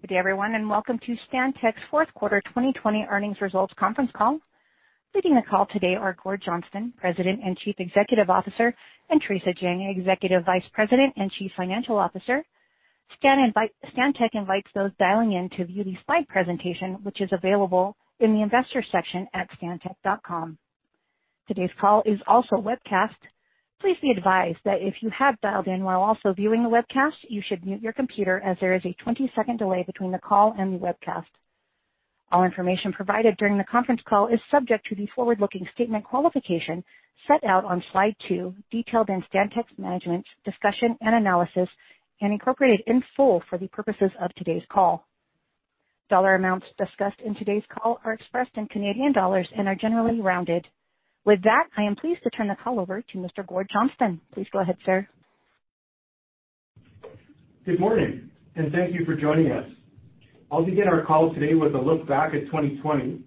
Good day everyone, and welcome to Stantec's fourth quarter 2020 earnings results conference call. Leading the call today are Gord Johnston, President and Chief Executive Officer, and Theresa Jang, Executive Vice President and Chief Financial Officer. Stantec invites those dialing in to view the slide presentation, which is available in the Investors section at stantec.com. Today's call is also webcast. Please be advised that if you have dialed in while also viewing the webcast, you should mute your computer as there is a 20-second delay between the call and the webcast. All information provided during the conference call is subject to the forward-looking statement qualification set out on slide two, detailed in Stantec's Management's Discussion and Analysis, and incorporated in full for the purposes of today's call. Dollar amounts discussed in today's call are expressed in Canadian dollars and are generally rounded. With that, I am pleased to turn the call over to Mr. Gord Johnston. Please go ahead, sir. Good morning, and thank you for joining us. I'll begin our call today with a look back at 2020,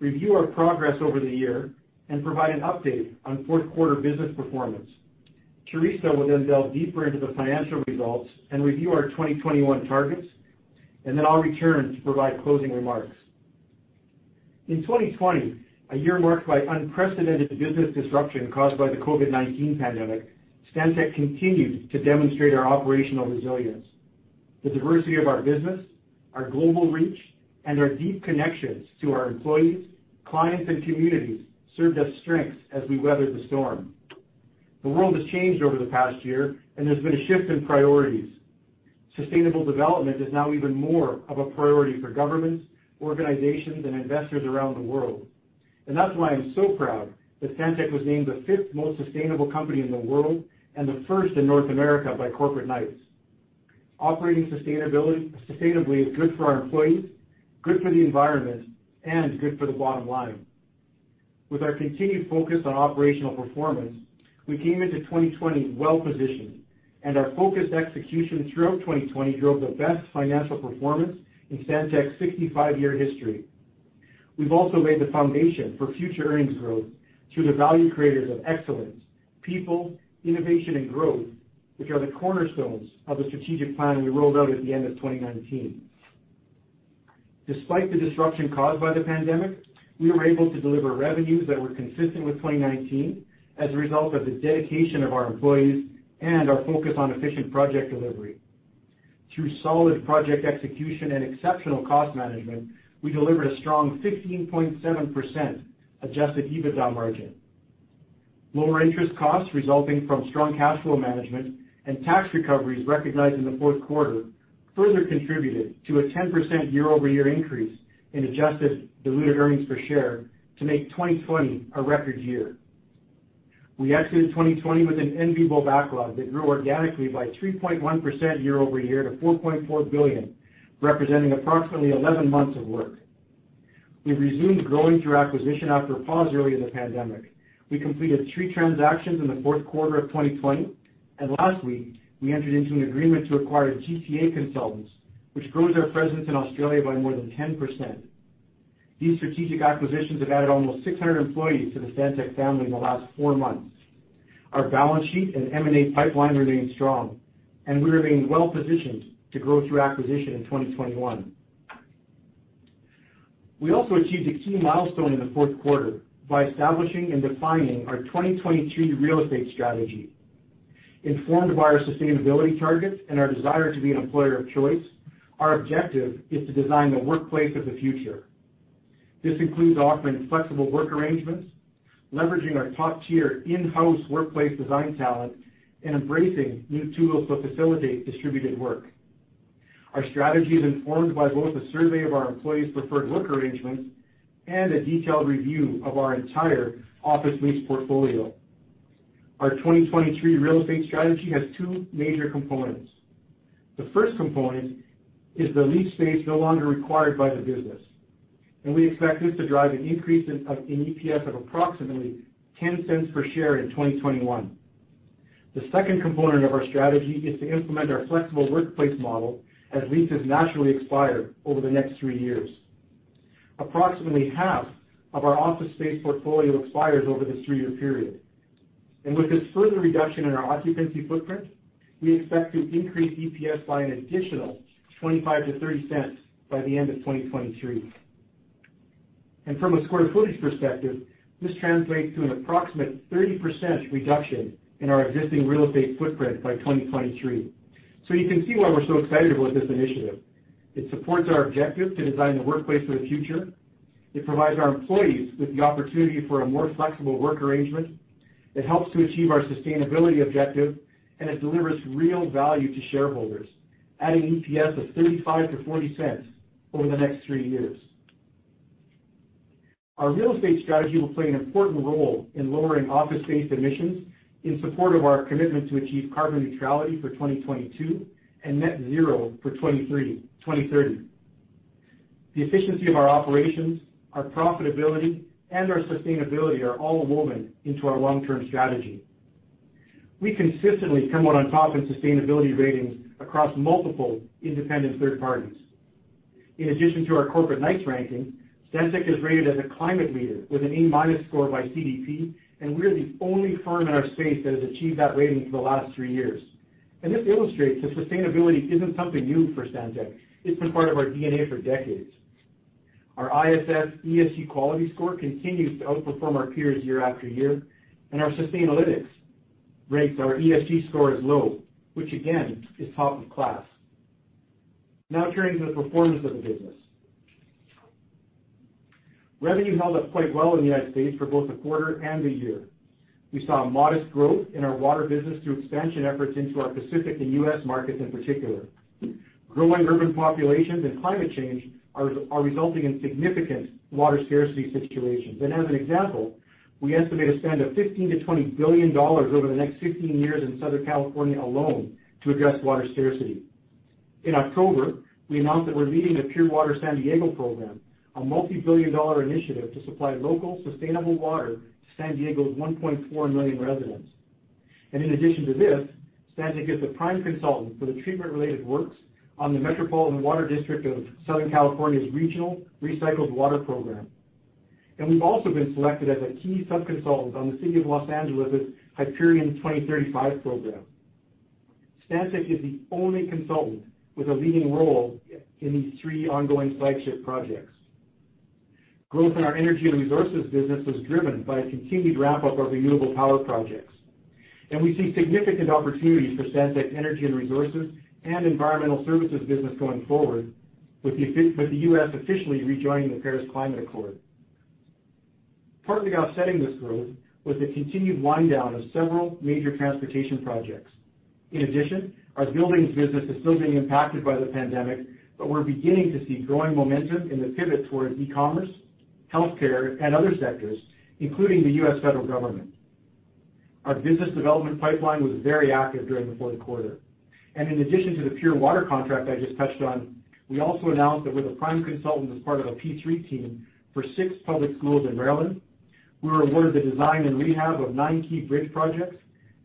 review our progress over the year, and provide an update on fourth quarter business performance. Theresa will then delve deeper into the financial results and review our 2021 targets, and then I'll return to provide closing remarks. In 2020, a year marked by unprecedented business disruption caused by the COVID-19 pandemic, Stantec continued to demonstrate our operational resilience. The diversity of our business, our global reach, and our deep connections to our employees, clients, and communities served as strengths as we weathered the storm. The world has changed over the past year and there has been a shift in priorities. Sustainable development is now even more of a priority for governments, organizations, and investors around the world. That's why I'm so proud that Stantec was named the fifth most sustainable company in the world and the first in North America by Corporate Knights. Operating sustainably is good for our employees, good for the environment, and good for the bottom line. With our continued focus on operational performance, we came into 2020 well-positioned, and our focused execution throughout 2020 drove the best financial performance in Stantec's 65-year history. We've also laid the foundation for future earnings growth through the value creators of excellence, people, innovation, and growth, which are the cornerstones of the strategic plan we rolled out at the end of 2019. Despite the disruption caused by the pandemic, we were able to deliver revenues that were consistent with 2019 as a result of the dedication of our employees and our focus on efficient project delivery. Through solid project execution and exceptional cost management, we delivered a strong 15.7% adjusted EBITDA margin. Lower interest costs resulting from strong cash flow management and tax recoveries recognized in the fourth quarter further contributed to a 10% year-over-year increase in adjusted diluted EPS to make 2020 a record year. We exited 2020 with an enviable backlog that grew organically by 3.1% year-over-year to 4.4 billion, representing approximately 11 months of work. We've resumed growing through acquisition after a pause early in the pandemic. We completed three transactions in the fourth quarter of 2020, and last week, we entered into an agreement to acquire GTA Consultants, which grows our presence in Australia by more than 10%. These strategic acquisitions have added almost 600 employees to the Stantec family in the last four months. Our balance sheet and M&A pipeline remain strong, and we remain well-positioned to grow through acquisition in 2021. We also achieved a key milestone in the fourth quarter by establishing and defining our 2022 real estate strategy. Informed by our sustainability targets and our desire to be an employer of choice, our objective is to design the workplace of the future. This includes offering flexible work arrangements, leveraging our top-tier in-house workplace design talent, and embracing new tools to facilitate distributed work. Our strategy is informed by both a survey of our employees' preferred work arrangements and a detailed review of our entire office lease portfolio. Our 2023 real estate strategy has two major components. The first component is the lease space no longer required by the business, and we expect this to drive an increase in EPS of approximately 0.10 per share in 2021. The second component of our strategy is to implement our flexible workplace model as leases naturally expire over the next three years. Approximately half of our office space portfolio expires over this three-year period. With this further reduction in our occupancy footprint, we expect to increase EPS by an additional 0.25-0.30 by the end of 2023. From a square footage perspective, this translates to an approximate 30% reduction in our existing real estate footprint by 2023. You can see why we're so excited about this initiative. It supports our objective to design the workplace for the future. It provides our employees with the opportunity for a more flexible work arrangement. It helps to achieve our sustainability objective, and it delivers real value to shareholders, adding EPS of 0.35-0.40 over the next three years. Our real estate strategy will play an important role in lowering office-based emissions in support of our commitment to achieve carbon neutrality for 2022 and net zero for 2030. The efficiency of our operations, our profitability, and our sustainability are all woven into our long-term strategy. We consistently come out on top in sustainability ratings across multiple independent third parties. In addition to our Corporate Knights ranking, Stantec is rated as a climate leader with an A- score by CDP, and we are the only firm in our space that has achieved that rating for the last three years. This illustrates that sustainability isn't something new for Stantec. It's been part of our DNA for decades. Our ISS ESG quality score continues to outperform our peers year after year, and our Sustainalytics rates our ESG score as low, which again, is top of class. Now turning to the performance of the business. Revenue held up quite well in the U.S. for both the quarter and the year. We saw modest growth in our water business through expansion efforts into our Pacific and U.S. markets in particular. Growing urban populations and climate change are resulting in significant water scarcity situations. As an example, we estimate a spend of 15 billion-20 billion dollars over the next 15 years in Southern California alone to address water scarcity. In October, we announced that we're leading the Pure Water San Diego program, a multi-billion CAD initiative to supply local sustainable water to San Diego's 1.4 million residents. In addition to this, Stantec is the prime consultant for the treatment-related works on the Metropolitan Water District of Southern California's regional recycled water program. We've also been selected as a key sub-consultant on the City of Los Angeles' Hyperion 2035 program. Stantec is the only consultant with a leading role in these three ongoing flagship projects. Growth in our energy and resources business was driven by a continued ramp-up of renewable power projects. We see significant opportunities for Stantec energy and resources and environmental services business going forward with the U.S. officially rejoining the Paris Agreement. Partly offsetting this growth was the continued wind-down of several major transportation projects. In addition, our buildings business is still being impacted by the pandemic, but we're beginning to see growing momentum in the pivot towards e-commerce, healthcare, and other sectors, including the U.S. federal government. Our business development pipeline was very active during the fourth quarter. In addition to the Pure Water contract I just touched on, we also announced that we're the prime consultant as part of a P3 team for six public schools in Maryland. We were awarded the design and rehab of nine key bridge projects.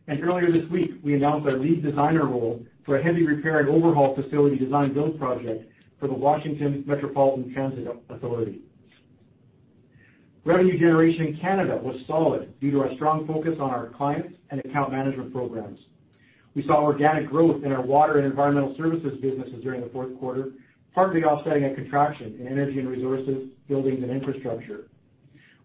Earlier this week, we announced our lead designer role for a heavy repair and overhaul facility design build project for the Washington Metropolitan Transit Authority. Revenue generation in Canada was solid due to our strong focus on our clients and account management programs. We saw organic growth in our water and environmental services businesses during the fourth quarter, partly offsetting a contraction in energy and resources, buildings, and infrastructure.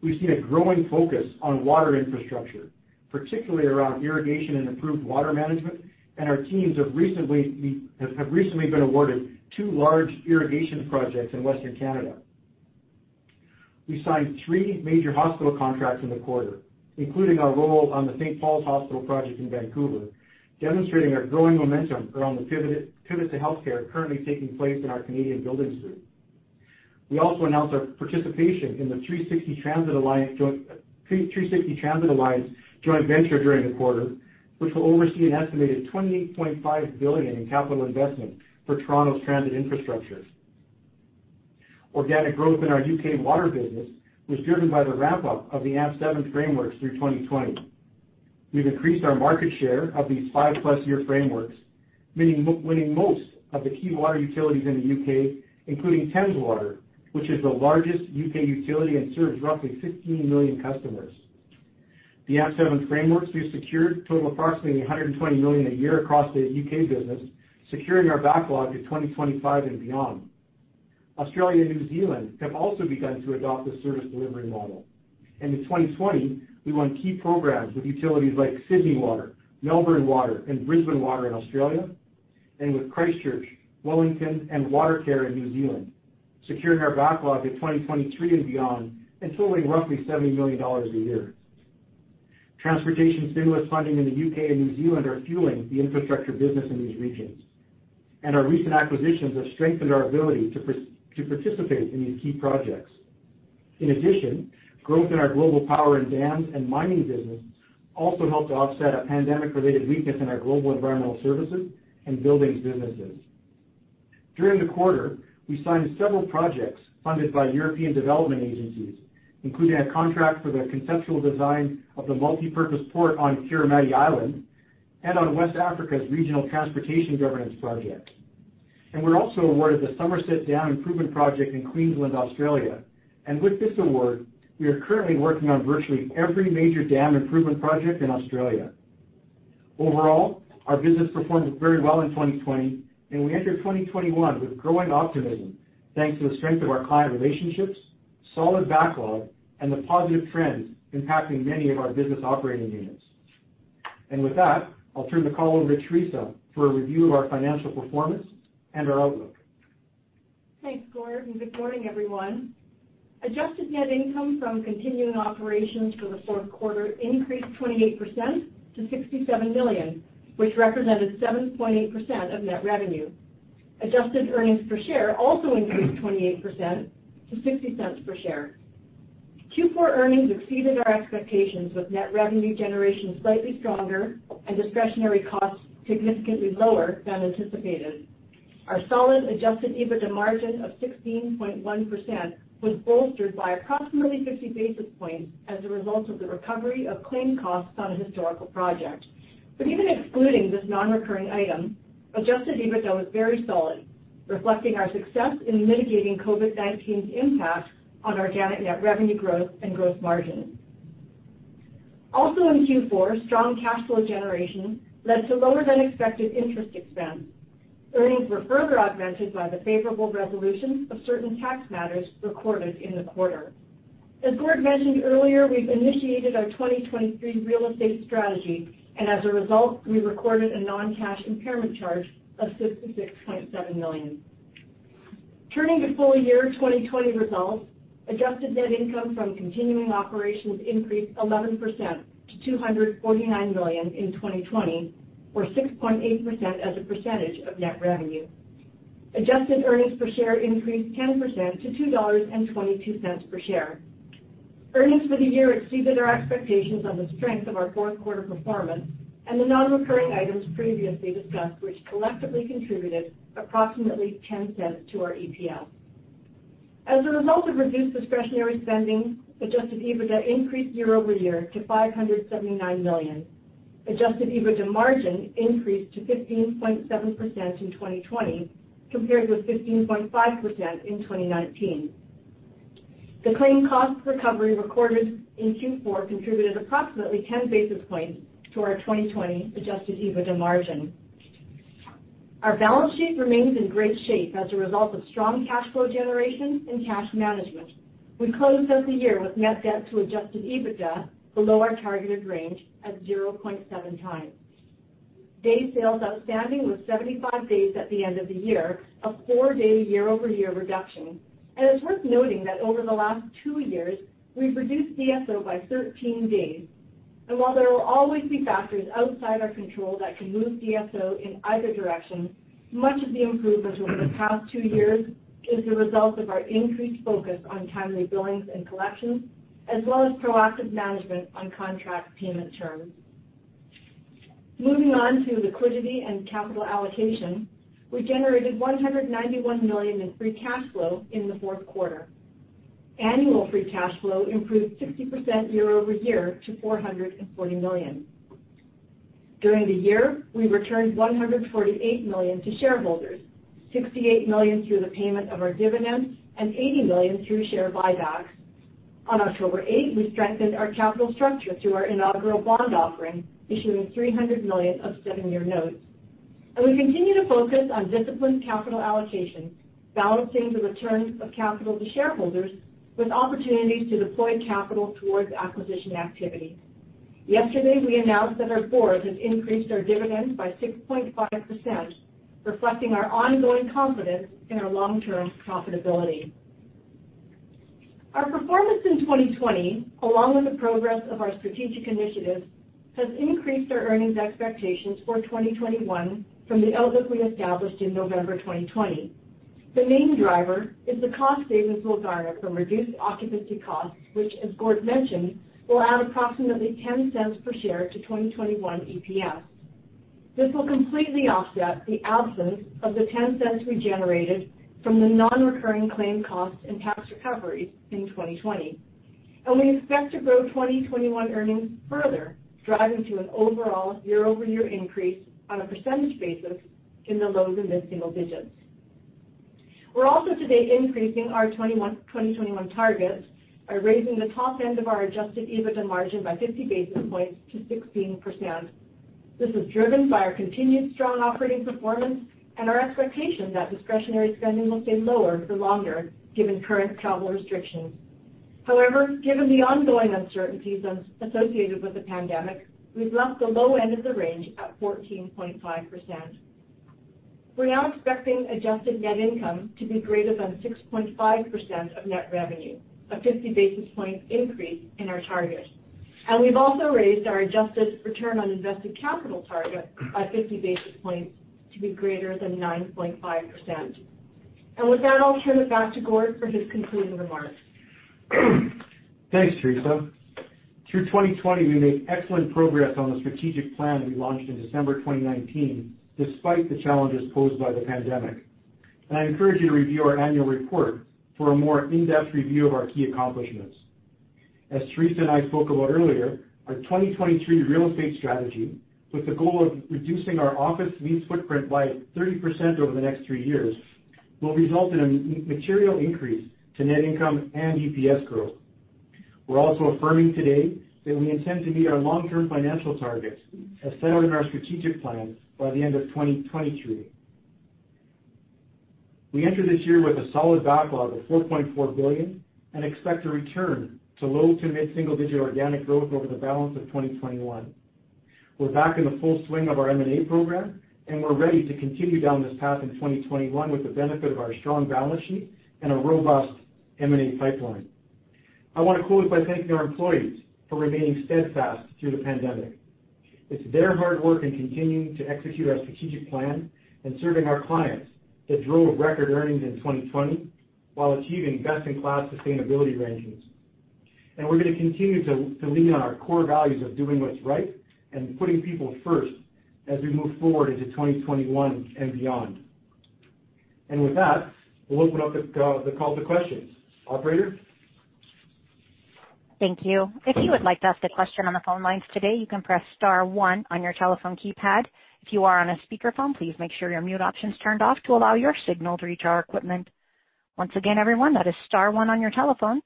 We've seen a growing focus on water infrastructure, particularly around irrigation and improved water management, and our teams have recently been awarded two large irrigation projects in Western Canada. We signed three major hospital contracts in the quarter, including our role on the St. Paul's Hospital project in Vancouver, demonstrating our growing momentum around the pivot to healthcare currently taking place in our Canadian buildings group. We also announced our participation in the 360 Transit Alliance joint venture during the quarter, which will oversee an estimated 28.5 billion in capital investment for Toronto's transit infrastructure. Organic growth in our U.K. water business was driven by the ramp-up of the AMP7 frameworks through 2020. We've increased our market share of these five-plus year frameworks, winning most of the key water utilities in the U.K., including Thames Water, which is the largest U.K. utility and serves roughly 15 million customers. The AMP7 frameworks we've secured total approximately 120 million a year across the U.K. business, securing our backlog to 2025 and beyond. Australia and New Zealand have also begun to adopt the service delivery model. In 2020, we won key programs with utilities like Sydney Water, Melbourne Water, and Brisbane Water in Australia, and with Christchurch, Wellington, and Watercare in New Zealand, securing our backlog to 2023 and beyond and totaling roughly 70 million dollars a year. Transportation stimulus funding in the U.K. and New Zealand are fueling the infrastructure business in these regions. Our recent acquisitions have strengthened our ability to participate in these key projects. In addition, growth in our global power and dams and mining business also helped to offset a pandemic-related weakness in our global environmental services and buildings businesses. During the quarter, we signed several projects funded by European development agencies, including a contract for the conceptual design of the multipurpose port on Kiritimati Island and on West Africa's regional transportation governance project. We're also awarded the Somerset Dam Improvement project in Queensland, Australia. With this award, we are currently working on virtually every major dam improvement project in Australia. Overall, our business performed very well in 2020, and we enter 2021 with growing optimism thanks to the strength of our client relationships, solid backlog, and the positive trends impacting many of our business operating units. With that, I'll turn the call over to Theresa for a review of our financial performance and our outlook. Thanks, Gord. Good morning, everyone. Adjusted net income from continuing operations for the fourth quarter increased 28% to 67 million, which represented 7.8% of net revenue. Adjusted earnings per share also increased 28% to 0.60 per share. Q4 earnings exceeded our expectations with net revenue generation slightly stronger and discretionary costs significantly lower than anticipated. Our solid adjusted EBITDA margin of 16.1% was bolstered by approximately 50 basis points as a result of the recovery of claimed costs on a historical project. Even excluding this non-recurring item, adjusted EBITDA was very solid, reflecting our success in mitigating COVID-19's impact on organic net revenue growth and gross margin. In Q4, strong cash flow generation led to lower than expected interest expense. Earnings were further augmented by the favorable resolution of certain tax matters recorded in the quarter. As Gord mentioned earlier, we've initiated our 2023 real estate strategy, and as a result, we recorded a non-cash impairment charge of 66.7 million. Turning to full year 2020 results, adjusted net income from continuing operations increased 11% to 249 million in 2020, or 6.8% as a percentage of net revenue. Adjusted earnings per share increased 10% to 2.22 dollars per share. Earnings for the year exceeded our expectations on the strength of our fourth quarter performance and the non-recurring items previously discussed, which collectively contributed approximately 0.10 to our EPS. As a result of reduced discretionary spending, adjusted EBITDA increased year-over-year to 579 million. Adjusted EBITDA margin increased to 15.7% in 2020 compared with 15.5% in 2019. The claim cost recovery recorded in Q4 contributed approximately 10 basis points to our 2020 adjusted EBITDA margin. Our balance sheet remains in great shape as a result of strong cash flow generation and cash management. We closed out the year with net debt to adjusted EBITDA below our targeted range at 0.7x. Day sales outstanding was 75 days at the end of the year, a four-day year-over-year reduction. It's worth noting that over the last two years, we've reduced DSO by 13 days. While there will always be factors outside our control that can move DSO in either direction, much of the improvements over the past two years is the result of our increased focus on timely billings and collections, as well as proactive management on contract payment terms. Moving on to liquidity and capital allocation. We generated 191 million in free cash flow in the fourth quarter. Annual free cash flow improved 60% year-over-year to 440 million. During the year, we returned 148 million to shareholders, 68 million through the payment of our dividend and 80 million through share buybacks. On October 8th, we strengthened our capital structure through our inaugural bond offering, issuing 300 million of seven-year notes. We continue to focus on disciplined capital allocation, balancing the returns of capital to shareholders with opportunities to deploy capital towards acquisition activity. Yesterday, we announced that our board has increased our dividends by 6.5%, reflecting our ongoing confidence in our long-term profitability. Our performance in 2020, along with the progress of our strategic initiatives, has increased our earnings expectations for 2021 from the outlook we established in November 2020. The main driver is the cost savings we'll garner from reduced occupancy costs, which, as Gord mentioned, will add approximately 0.10 per share to 2021 EPS. This will completely offset the absence of the 0.10 we generated from the non-recurring claim costs and tax recoveries in 2020. We expect to grow 2021 earnings further, driving to an overall year-over-year increase on a percentage basis in the low to mid-single digits. We're also today increasing our 2021 targets by raising the top end of our adjusted EBITDA margin by 50 basis points to 16%. This is driven by our continued strong operating performance and our expectation that discretionary spending will stay lower for longer given current travel restrictions. However, given the ongoing uncertainties associated with the pandemic, we've left the low end of the range at 14.5%. We're now expecting adjusted net income to be greater than 6.5% of net revenue, a 50 basis point increase in our target. We've also raised our adjusted return on invested capital target by 50 basis points to be greater than 9.5%. With that, I'll turn it back to Gord for his concluding remarks. Thanks, Theresa. Through 2020, we made excellent progress on the strategic plan we launched in December 2019, despite the challenges posed by the pandemic. I encourage you to review our annual report for a more in-depth review of our key accomplishments. As Theresa and I spoke about earlier, our 2023 real estate strategy, with the goal of reducing our office lease footprint by 30% over the next three years, will result in a material increase to net income and EPS growth. We are also affirming today that we intend to meet our long-term financial targets as set out in our strategic plan by the end of 2023. We enter this year with a solid backlog of 4.4 billion and expect to return to low to mid-single digit organic growth over the balance of 2021. We're back in the full swing of our M&A program, and we're ready to continue down this path in 2021 with the benefit of our strong balance sheet and a robust M&A pipeline. I want to close by thanking our employees for remaining steadfast through the pandemic. It's their hard work in continuing to execute our strategic plan and serving our clients that drove record earnings in 2020 while achieving best-in-class sustainability rankings. We're going to continue to lean on our core values of doing what's right and putting people first as we move forward into 2021 and beyond. With that, we'll open up the call to questions. Operator? Thank you. If you would like to ask a question on the phone lines today, you can press star one on your telephone keypad. If you are on a speakerphone, please make sure your mute option is turned off to allow your signal to reach our equipment. Once again, everyone, that is star one on your telephone.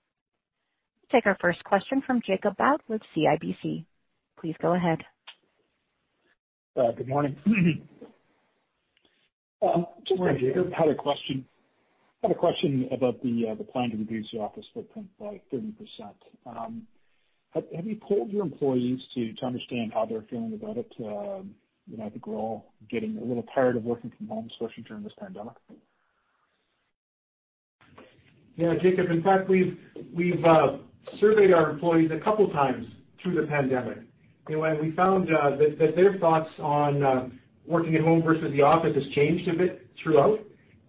Take our first question from Jacob Bout with CIBC. Please go ahead. Good morning. Morning, Jacob. Just had a question about the plan to reduce your office footprint by 30%. Have you polled your employees to understand how they're feeling about it? I think we're all getting a little tired of working from home, especially during this pandemic. Yeah, Jacob, in fact, we've surveyed our employees a couple times through the pandemic. We found that their thoughts on working at home versus the office has changed a bit throughout.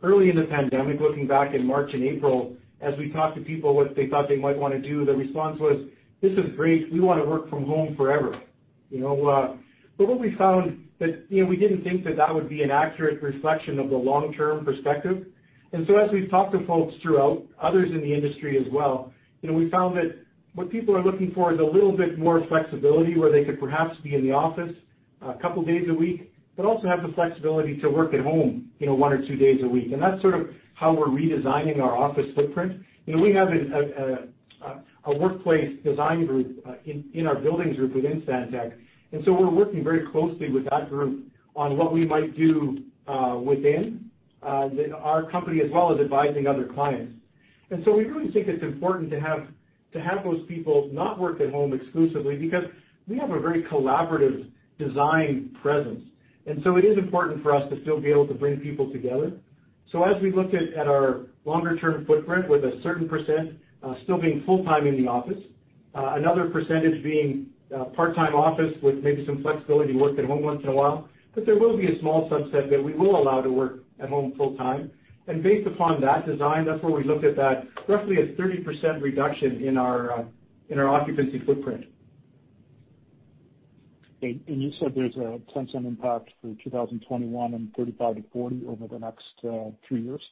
Early in the pandemic, looking back in March and April, as we talked to people what they thought they might want to do, the response was, "This is great. We want to work from home forever." What we found that we didn't think that that would be an accurate reflection of the long-term perspective. As we've talked to folks throughout, others in the industry as well, we found that what people are looking for is a little bit more flexibility where they could perhaps be in the office a couple days a week, but also have the flexibility to work at home one or two days a week. That's sort of how we're redesigning our office footprint. We have a workplace design group in our buildings group within Stantec, so we're working very closely with that group on what we might do within our company, as well as advising other clients. We really think it's important to have those people not work at home exclusively because we have a very collaborative design presence. It is important for us to still be able to bring people together. As we looked at our longer term footprint with a certain percent still being full-time in the office, another percentage being part-time office with maybe some flexibility to work at home once in a while. There will be a small subset that we will allow to work at home full-time. Based upon that design, that's where we looked at that roughly a 30% reduction in our occupancy footprint. You said there's a 0.10 impact for 2021 and 0.35-0.40 over the next three years?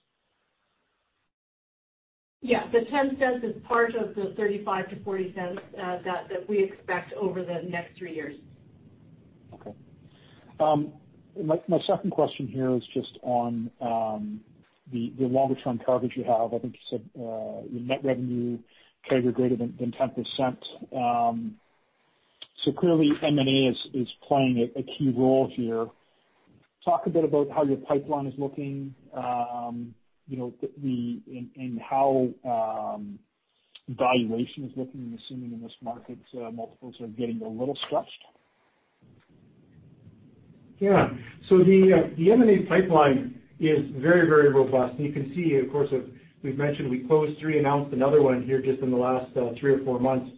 The 0.10 is part of the 0.35-0.40 that we expect over the next three years. Okay. My second question here is just on the longer term targets you have. I think you said your net revenue CAGR greater than 10%. Clearly M&A is playing a key role here. Talk a bit about how your pipeline is looking, and how valuation is looking, assuming in this market multiples are getting a little stretched. Yeah. The M&A pipeline is very robust, and you can see, of course, we've mentioned we closed three, announced another one here just in the last three or four months.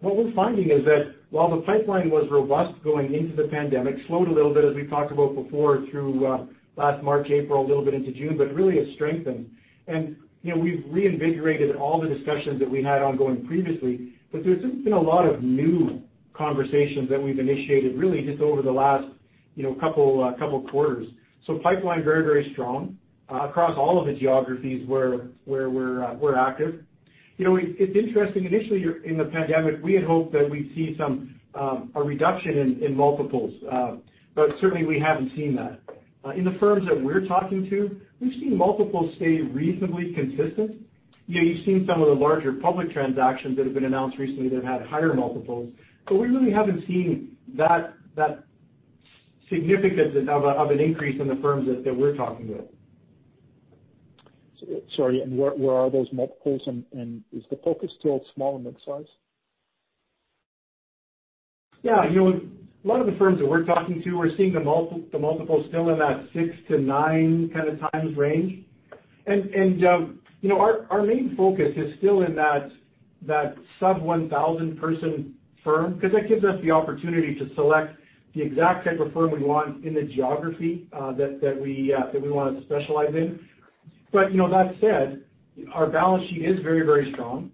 What we're finding is that while the pipeline was robust going into the pandemic, slowed a little bit as we talked about before through last March, April, a little bit into June, but really it's strengthened. We've reinvigorated all the discussions that we had ongoing previously, but there's just been a lot of new conversations that we've initiated really just over the last couple quarters. Pipeline very strong across all of the geographies where we're active. It's interesting, initially in the pandemic, we had hoped that we'd see a reduction in multiples. Certainly we haven't seen that. In the firms that we're talking to, we've seen multiples stay reasonably consistent. You've seen some of the larger public transactions that have been announced recently that have had higher multiples, but we really haven't seen that significance of an increase in the firms that we're talking with. Sorry, where are those multiples, and is the focus still small and midsize? Yeah. A lot of the firms that we're talking to, we're seeing the multiples still in that six to nine kind of times range. Our main focus is still in that sub 1,000-person firm, because that gives us the opportunity to select the exact type of firm we want in the geography that we want to specialize in. That said, our balance sheet is very strong.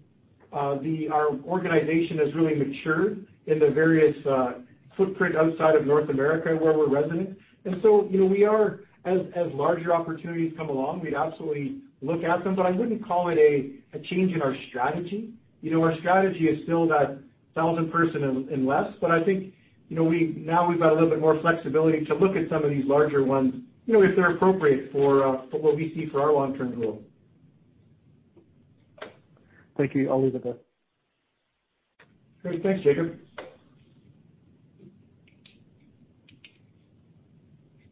Our organization has really matured in the various footprint outside of North America where we're resident. As larger opportunities come along, we'd absolutely look at them. I wouldn't call it a change in our strategy. Our strategy is still that 1,000 person and less. I think now we've got a little bit more flexibility to look at some of these larger ones, if they're appropriate for what we see for our long-term goal. Thank you. I'll leave it there. Great. Thanks, Jacob.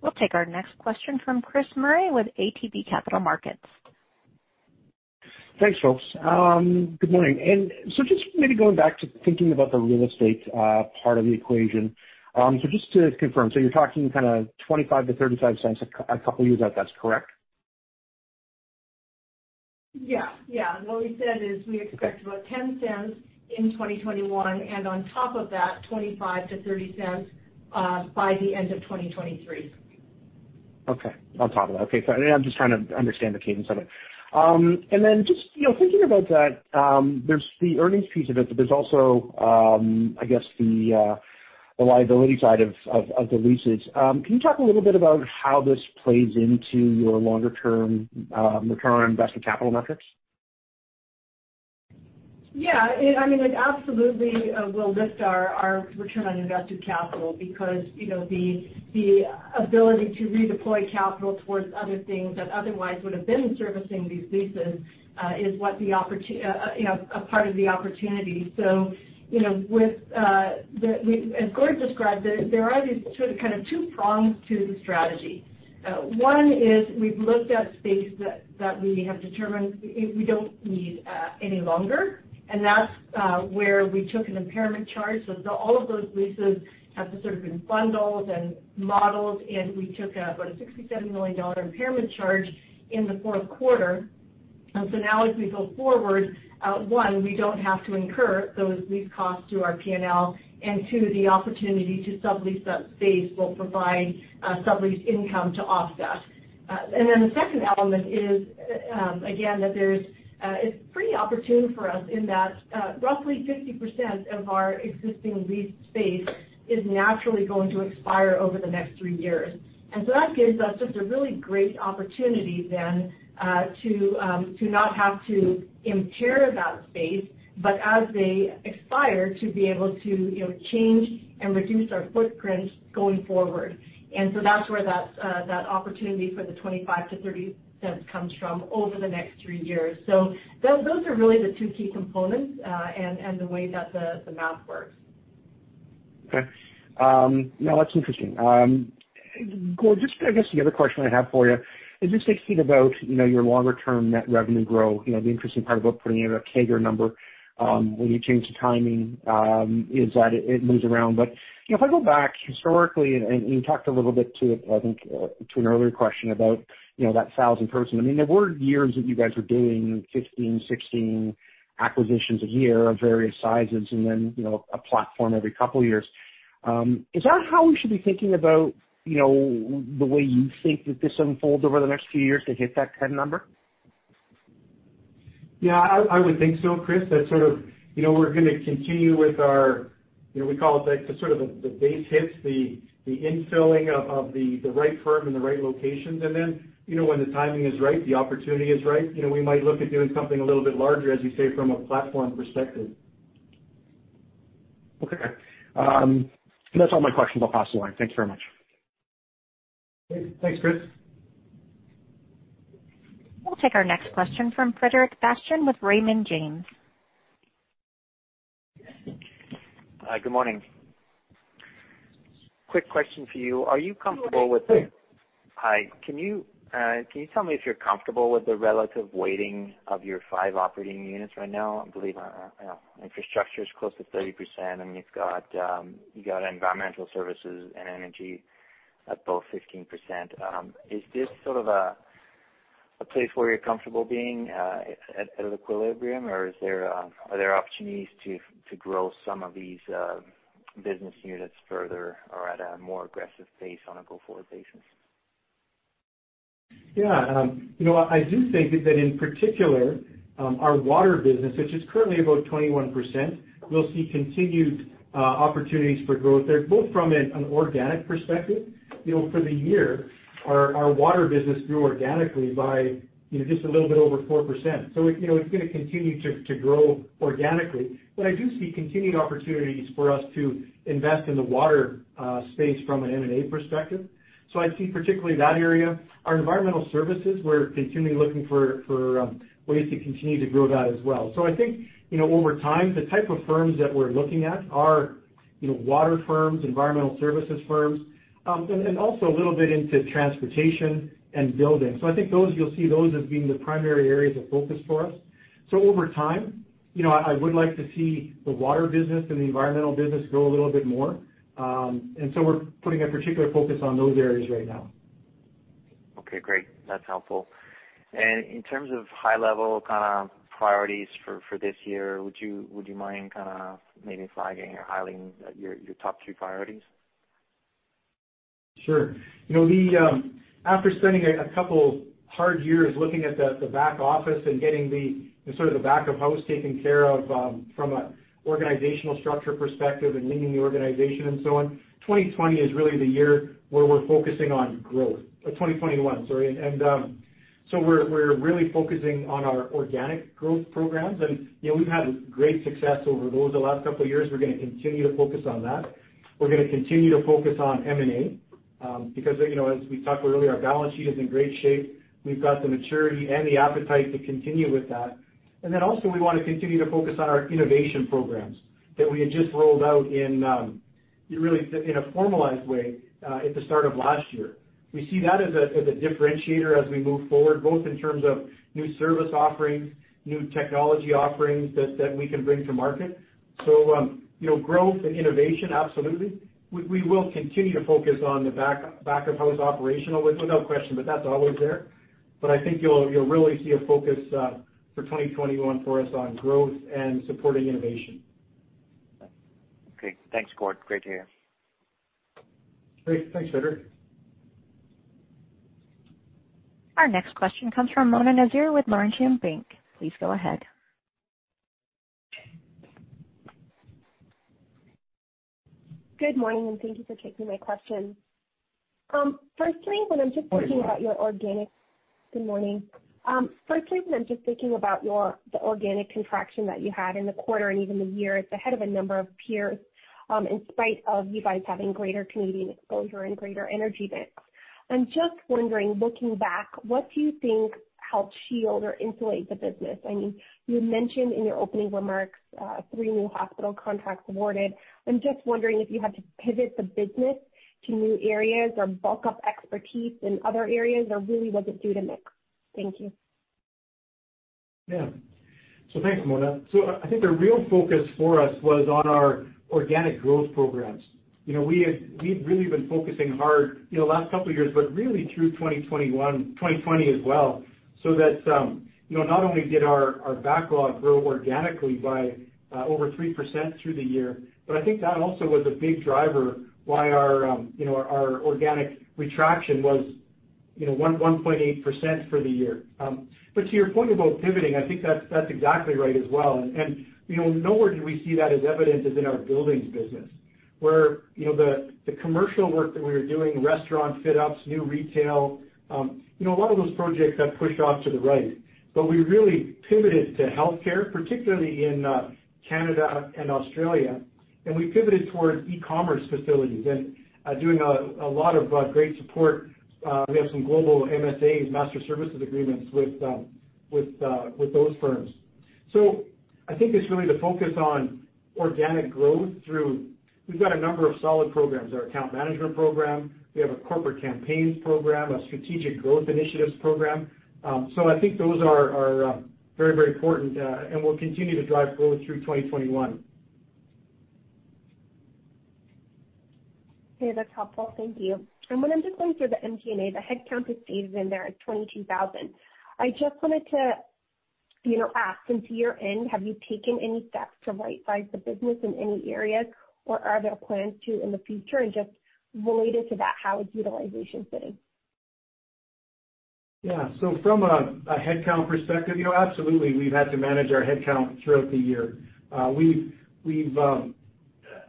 We'll take our next question from Chris Murray with ATB Capital Markets. Thanks, folks. Good morning. Just maybe going back to thinking about the real estate part of the equation. Just to confirm, so you're talking kind of 0.25-0.35 a couple years out, that's correct? Yeah. What we said is we expect about 0.10 in 2021, and on top of that, 0.25-0.30 by the end of 2023. Okay. On top of that. Okay. I'm just trying to understand the cadence of it. Just thinking about that, there's the earnings piece of it, but there's also, I guess, the liability side of the leases. Can you talk a little bit about how this plays into your longer term return on invested capital metrics? Yeah. It absolutely will lift our return on invested capital because the ability to redeploy capital towards other things that otherwise would have been servicing these leases is a part of the opportunity. As Gord described, there are these sort of two prongs to the strategy. One is we've looked at space that we have determined we don't need any longer, and that's where we took an impairment charge. All of those leases have to sort of been bundled and modeled, and we took about a 67 million dollar impairment charge in the fourth quarter. Now as we go forward, one, we don't have to incur those lease costs to our P&L, and two, the opportunity to sublease that space will provide sublease income to offset. The second element is, again, that it's pretty opportune for us in that roughly 50% of our existing leased space is naturally going to expire over the next three years. That gives us just a really great opportunity then to not have to impair that space, but as they expire, to be able to change and reduce our footprint going forward. That's where that opportunity for the 0.25-0.30 comes from over the next three years. Those are really the two key components, and the way that the math works. Okay. No, that's interesting. Gord, just I guess the other question I have for you is just thinking about your longer term net revenue growth, the interesting part about putting in a CAGR number, when you change the timing, is that it moves around. If I go back historically, and you talked a little bit too, I think, to an earlier question about that 1,000 person. There were years that you guys were doing 15, 16 acquisitions a year of various sizes and then a platform every couple of years. Is that how we should be thinking about the way you think that this unfolds over the next few years to hit that 10 number? Yeah, I would think so, Chris. We're going to continue with our, we call it the sort of the base hits, the infilling of the right firm and the right locations. Then, when the timing is right, the opportunity is right, we might look at doing something a little bit larger, as you say, from a platform perspective. Okay. That's all my questions. I'll pass the line. Thank you very much. Great. Thanks, Chris. We'll take our next question from Frederic Bastien with Raymond James. Hi, good morning. Quick question for you. Good morning. Hi. Can you tell me if you're comfortable with the relative weighting of your five operating units right now? I believe infrastructure is close to 30%, and you've got environmental services and energy at both 15%. Is this sort of a place where you're comfortable being at an equilibrium, or are there opportunities to grow some of these business units further or at a more aggressive pace on a go forward basis? I do think that in particular, our water business, which is currently about 21%, will see continued opportunities for growth there, both from an organic perspective. For the year, our water business grew organically by just a little bit over 4%. It's going to continue to grow organically. I do see continued opportunities for us to invest in the water space from an M&A perspective. I see particularly that area. Our environmental services, we're continually looking for ways to continue to grow that as well. I think, over time, the type of firms that we're looking at are water firms, environmental services firms, and also a little bit into transportation and building. I think you'll see those as being the primary areas of focus for us. Over time, I would like to see the water business and the environmental business grow a little bit more. We're putting a particular focus on those areas right now. Okay, great. That's helpful. In terms of high level kind of priorities for this year, would you mind kind of maybe flagging or highlighting your top three priorities? Sure. After spending a couple hard years looking at the back office and getting the sort of the back of house taken care of from an organizational structure perspective and leaning the organization and so on, 2020 is really the year where we're focusing on growth. 2021, sorry. We're really focusing on our organic growth programs, and we've had great success over those the last couple of years. We're going to continue to focus on that. We're going to continue to focus on M&A, because as we talked earlier, our balance sheet is in great shape. We've got the maturity and the appetite to continue with that. Also, we want to continue to focus on our innovation programs that we had just rolled out in a formalized way, at the start of last year. We see that as a differentiator as we move forward, both in terms of new service offerings, new technology offerings that we can bring to market. Growth and innovation, absolutely. We will continue to focus on the back of house operational, no question, but that's always there. I think you'll really see a focus for 2021 for us on growth and supporting innovation. Okay. Thanks, Gord. Great to hear. Great. Thanks, Frederic. Our next question comes from Mona Nazir with Laurentian Bank. Please go ahead. Good morning, thank you for taking my question. Firstly, when I'm just thinking about the organic contraction that you had in the quarter and even the year, it's ahead of a number of peers, in spite of you guys having greater Canadian exposure and greater energy mix. I'm just wondering, looking back, what do you think helped shield or insulate the business? You mentioned in your opening remarks, three new hospital contracts awarded. I'm just wondering if you had to pivot the business to new areas or bulk up expertise in other areas, or really was it due to mix? Thank you. Thanks, Mona. I think the real focus for us was on our organic growth programs. We've really been focusing hard, last couple of years, but really through 2021, 2020 as well, so that not only did our backlog grow organically by over 3% through the year, but I think that also was a big driver why our organic retraction was 1.8% for the year. To your point about pivoting, I think that's exactly right as well. Nowhere do we see that as evident as in our buildings business, where the commercial work that we were doing, restaurant fit outs, new retail, a lot of those projects got pushed off to the right. We really pivoted to healthcare, particularly in Canada and Australia, and we pivoted towards e-commerce facilities and are doing a lot of great support. We have some global MSAs, master services agreements, with those firms. I think it's really the focus on organic growth. We've got a number of solid programs. Our Account Management Program, we have a Corporate Campaigns Program, a Strategic Growth Initiatives Program. I think those are very important, and will continue to drive growth through 2021. Okay. That's helpful. Thank you. When I'm just going through the MD&A, the headcount that's stated in there is 22,000. I just wanted to ask, since year-end, have you taken any steps to right size the business in any areas, or are there plans to in the future? Just related to that, how is utilization sitting? Yeah. From a headcount perspective, absolutely, we've had to manage our headcount throughout the year. We've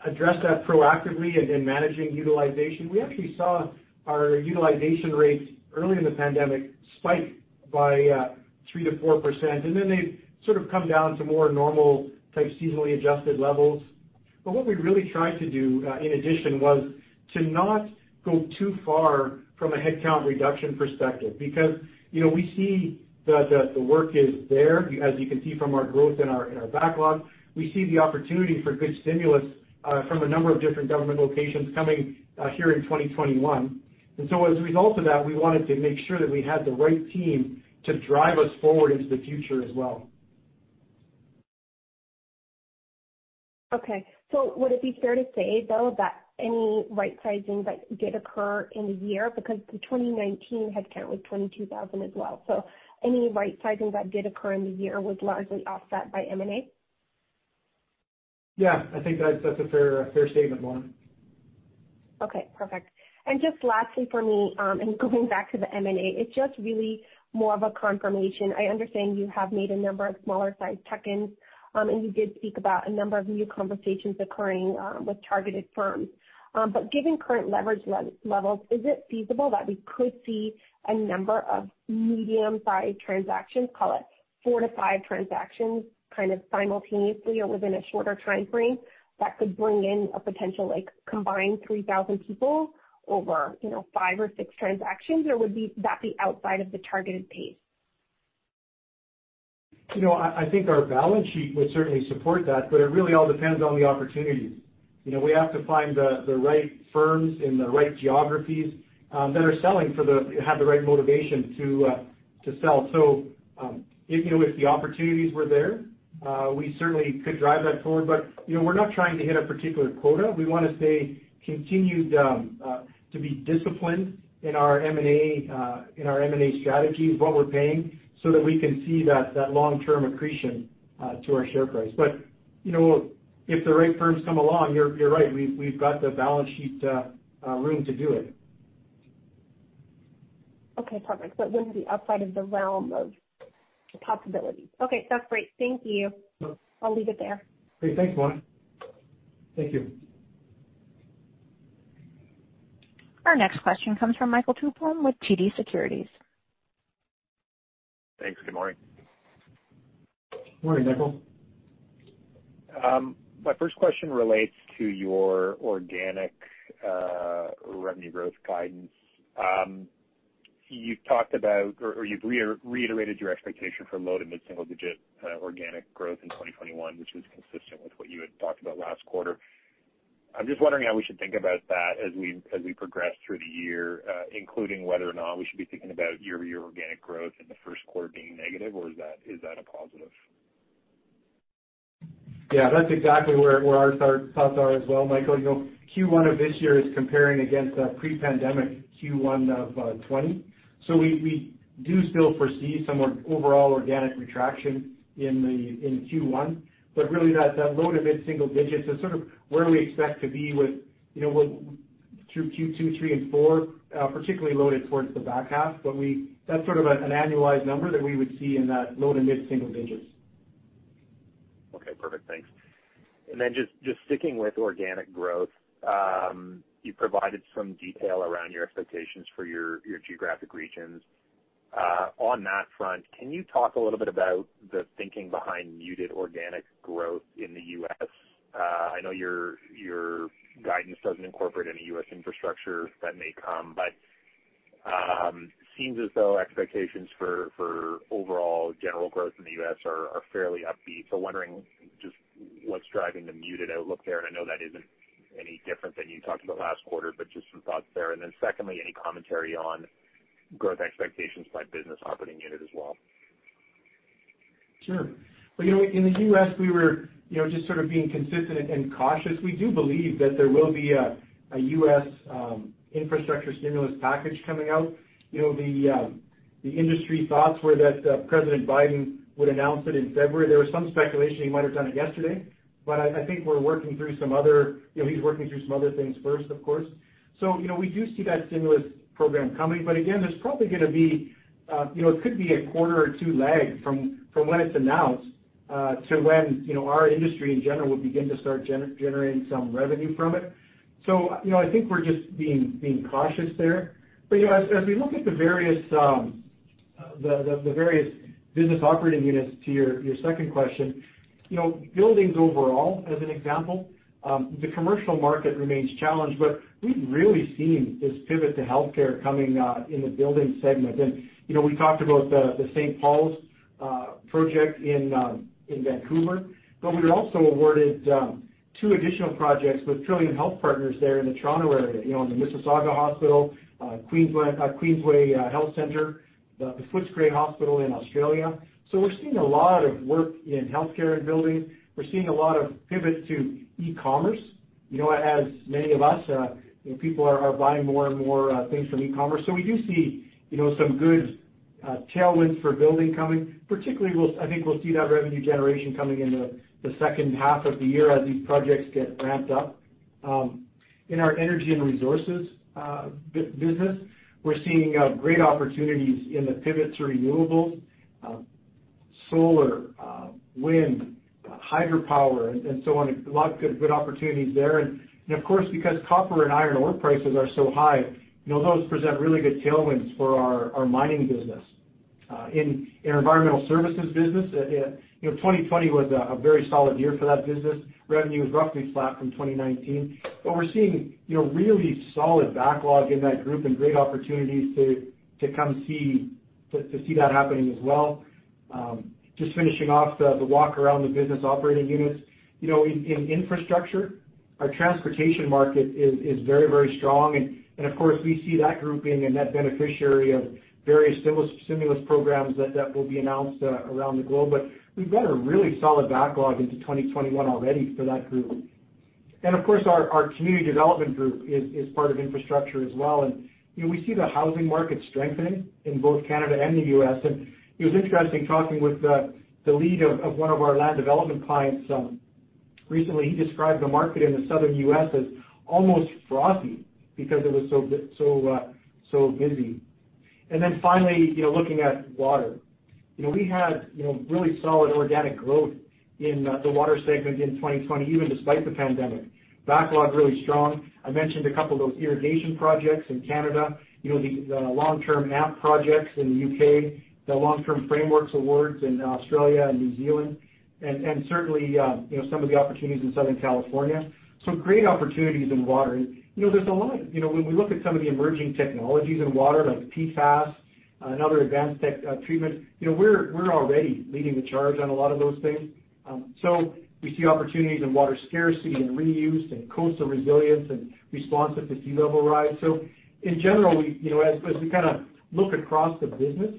addressed that proactively and in managing utilization. We actually saw our utilization rates early in the pandemic spike by 3%-4%, and then they've sort of come down to more normal type seasonally adjusted levels. What we really tried to do, in addition, was to not go too far from a headcount reduction perspective because we see the work is there, as you can see from our growth in our backlog. We see the opportunity for good stimulus from a number of different government locations coming here in 2021. As a result of that, we wanted to make sure that we had the right team to drive us forward into the future as well. Would it be fair to say, though, that any right-sizing that did occur in the year, because the 2019 headcount was 22,000 as well, so any right-sizing that did occur in the year was largely offset by M&A? Yeah, I think that's a fair statement, Mona. Okay, perfect. Just lastly for me, going back to the M&A, it's just really more of a confirmation. I understand you have made a number of smaller-sized tuck-ins, and you did speak about a number of new conversations occurring with targeted firms. Given current leverage levels, is it feasible that we could see a number of medium-sized transactions, call it four to five transactions, kind of simultaneously or within a shorter timeframe that could bring in a potential combined 3,000 people over five or six transactions? Would that be outside of the targeted pace? I think our balance sheet would certainly support that. It really all depends on the opportunities. We have to find the right firms in the right geographies that have the right motivation to sell. If the opportunities were there, we certainly could drive that forward. We're not trying to hit a particular quota. We want to stay continued to be disciplined in our M&A strategies, what we're paying, so that we can see that long-term accretion to our share price. If the right firms come along, you're right, we've got the balance sheet room to do it. Okay, perfect. It wouldn't be outside of the realm of possibility. Okay, that's great. Thank you. Sure. I'll leave it there. Okay. Thanks, Mona. Thank you. Our next question comes from Michael Tupholme with TD Securities. Thanks. Good morning. Morning, Michael. My first question relates to your organic revenue growth guidance. You've talked about or you've reiterated your expectation for low to mid-single-digit organic growth in 2021, which was consistent with what you had talked about last quarter. I'm just wondering how we should think about that as we progress through the year, including whether or not we should be thinking about year-over-year organic growth in the first quarter being negative, or is that a positive? Yeah, that's exactly where our thoughts are as well, Michael. Q1 of this year is comparing against a pre-pandemic Q1 of 2020. We do still foresee some overall organic retraction in Q1, really that low to mid-single digits is sort of where we expect to be through Q2, Q3, and Q4, particularly loaded towards the back half. That's sort of an annualized number that we would see in that low to mid-single digits. Okay, perfect. Thanks. Just sticking with organic growth, you provided some detail around your expectations for your geographic regions. On that front, can you talk a little bit about the thinking behind muted organic growth in the U.S.? I know your guidance doesn't incorporate any U.S. infrastructure that may come, but it seems as though expectations for overall general growth in the U.S. are fairly upbeat. Wondering just what's driving the muted outlook there, and I know that isn't any different than you talked about last quarter, but just some thoughts there. Secondly, any commentary on growth expectations by business operating unit as well? Sure. In the U.S., we were just sort of being consistent and cautious. We do believe that there will be a U.S. infrastructure stimulus package coming out. The industry thoughts were that President Biden would announce it in February. There was some speculation he might have done it yesterday, but I think he's working through some other things first, of course. We do see that stimulus program coming. Again, there's probably going to be a quarter or two lag from when it's announced to when our industry in general will begin to start generating some revenue from it. I think we're just being cautious there. As we look at the various business operating units to your second question, buildings overall, as an example, the commercial market remains challenged, but we've really seen this pivot to healthcare coming in the building segment. We talked about the St. Paul's project in Vancouver, but we were also awarded two additional projects with Trillium Health Partners there in the Toronto area, in the Mississauga Hospital, Queensway Health Centre, the Footscray Hospital in Australia. We're seeing a lot of work in healthcare and buildings. We're seeing a lot of pivot to e-commerce. As many of us, people are buying more and more things from e-commerce. We do see some good tailwinds for building coming. Particularly, I think we'll see that revenue generation coming in the second half of the year as these projects get ramped up. In our energy and resources business, we're seeing great opportunities in the pivot to renewables. Solar, wind, hydropower, and so on. A lot of good opportunities there. Of course, because copper and iron ore prices are so high, those present really good tailwinds for our mining business. In our environmental services business, 2020 was a very solid year for that business. Revenue was roughly flat from 2019. We're seeing really solid backlog in that group and great opportunities to see that happening as well. Just finishing off the walk around the business operating units. In infrastructure, our transportation market is very strong, and of course, we see that grouping and net beneficiary of various stimulus programs that will be announced around the globe. We've got a really solid backlog into 2021 already for that group. Of course, our community development group is part of infrastructure as well. We see the housing market strengthening in both Canada and the U.S. It was interesting talking with the lead of one of our land development clients recently. He described the market in the Southern U.S. as almost frothy because it was so busy. Finally, looking at water. We had really solid organic growth in the water segment in 2020, even despite the pandemic. Backlog really strong. I mentioned a couple of those irrigation projects in Canada, the long-term AMP projects in the U.K., the long-term frameworks awards in Australia and New Zealand, and certainly some of the opportunities in Southern California. Some great opportunities in water. When we look at some of the emerging technologies in water, like PFAS and other advanced treatment, we're already leading the charge on a lot of those things. We see opportunities in water scarcity and reuse and coastal resilience and response to sea level rise. In general, as we look across the business,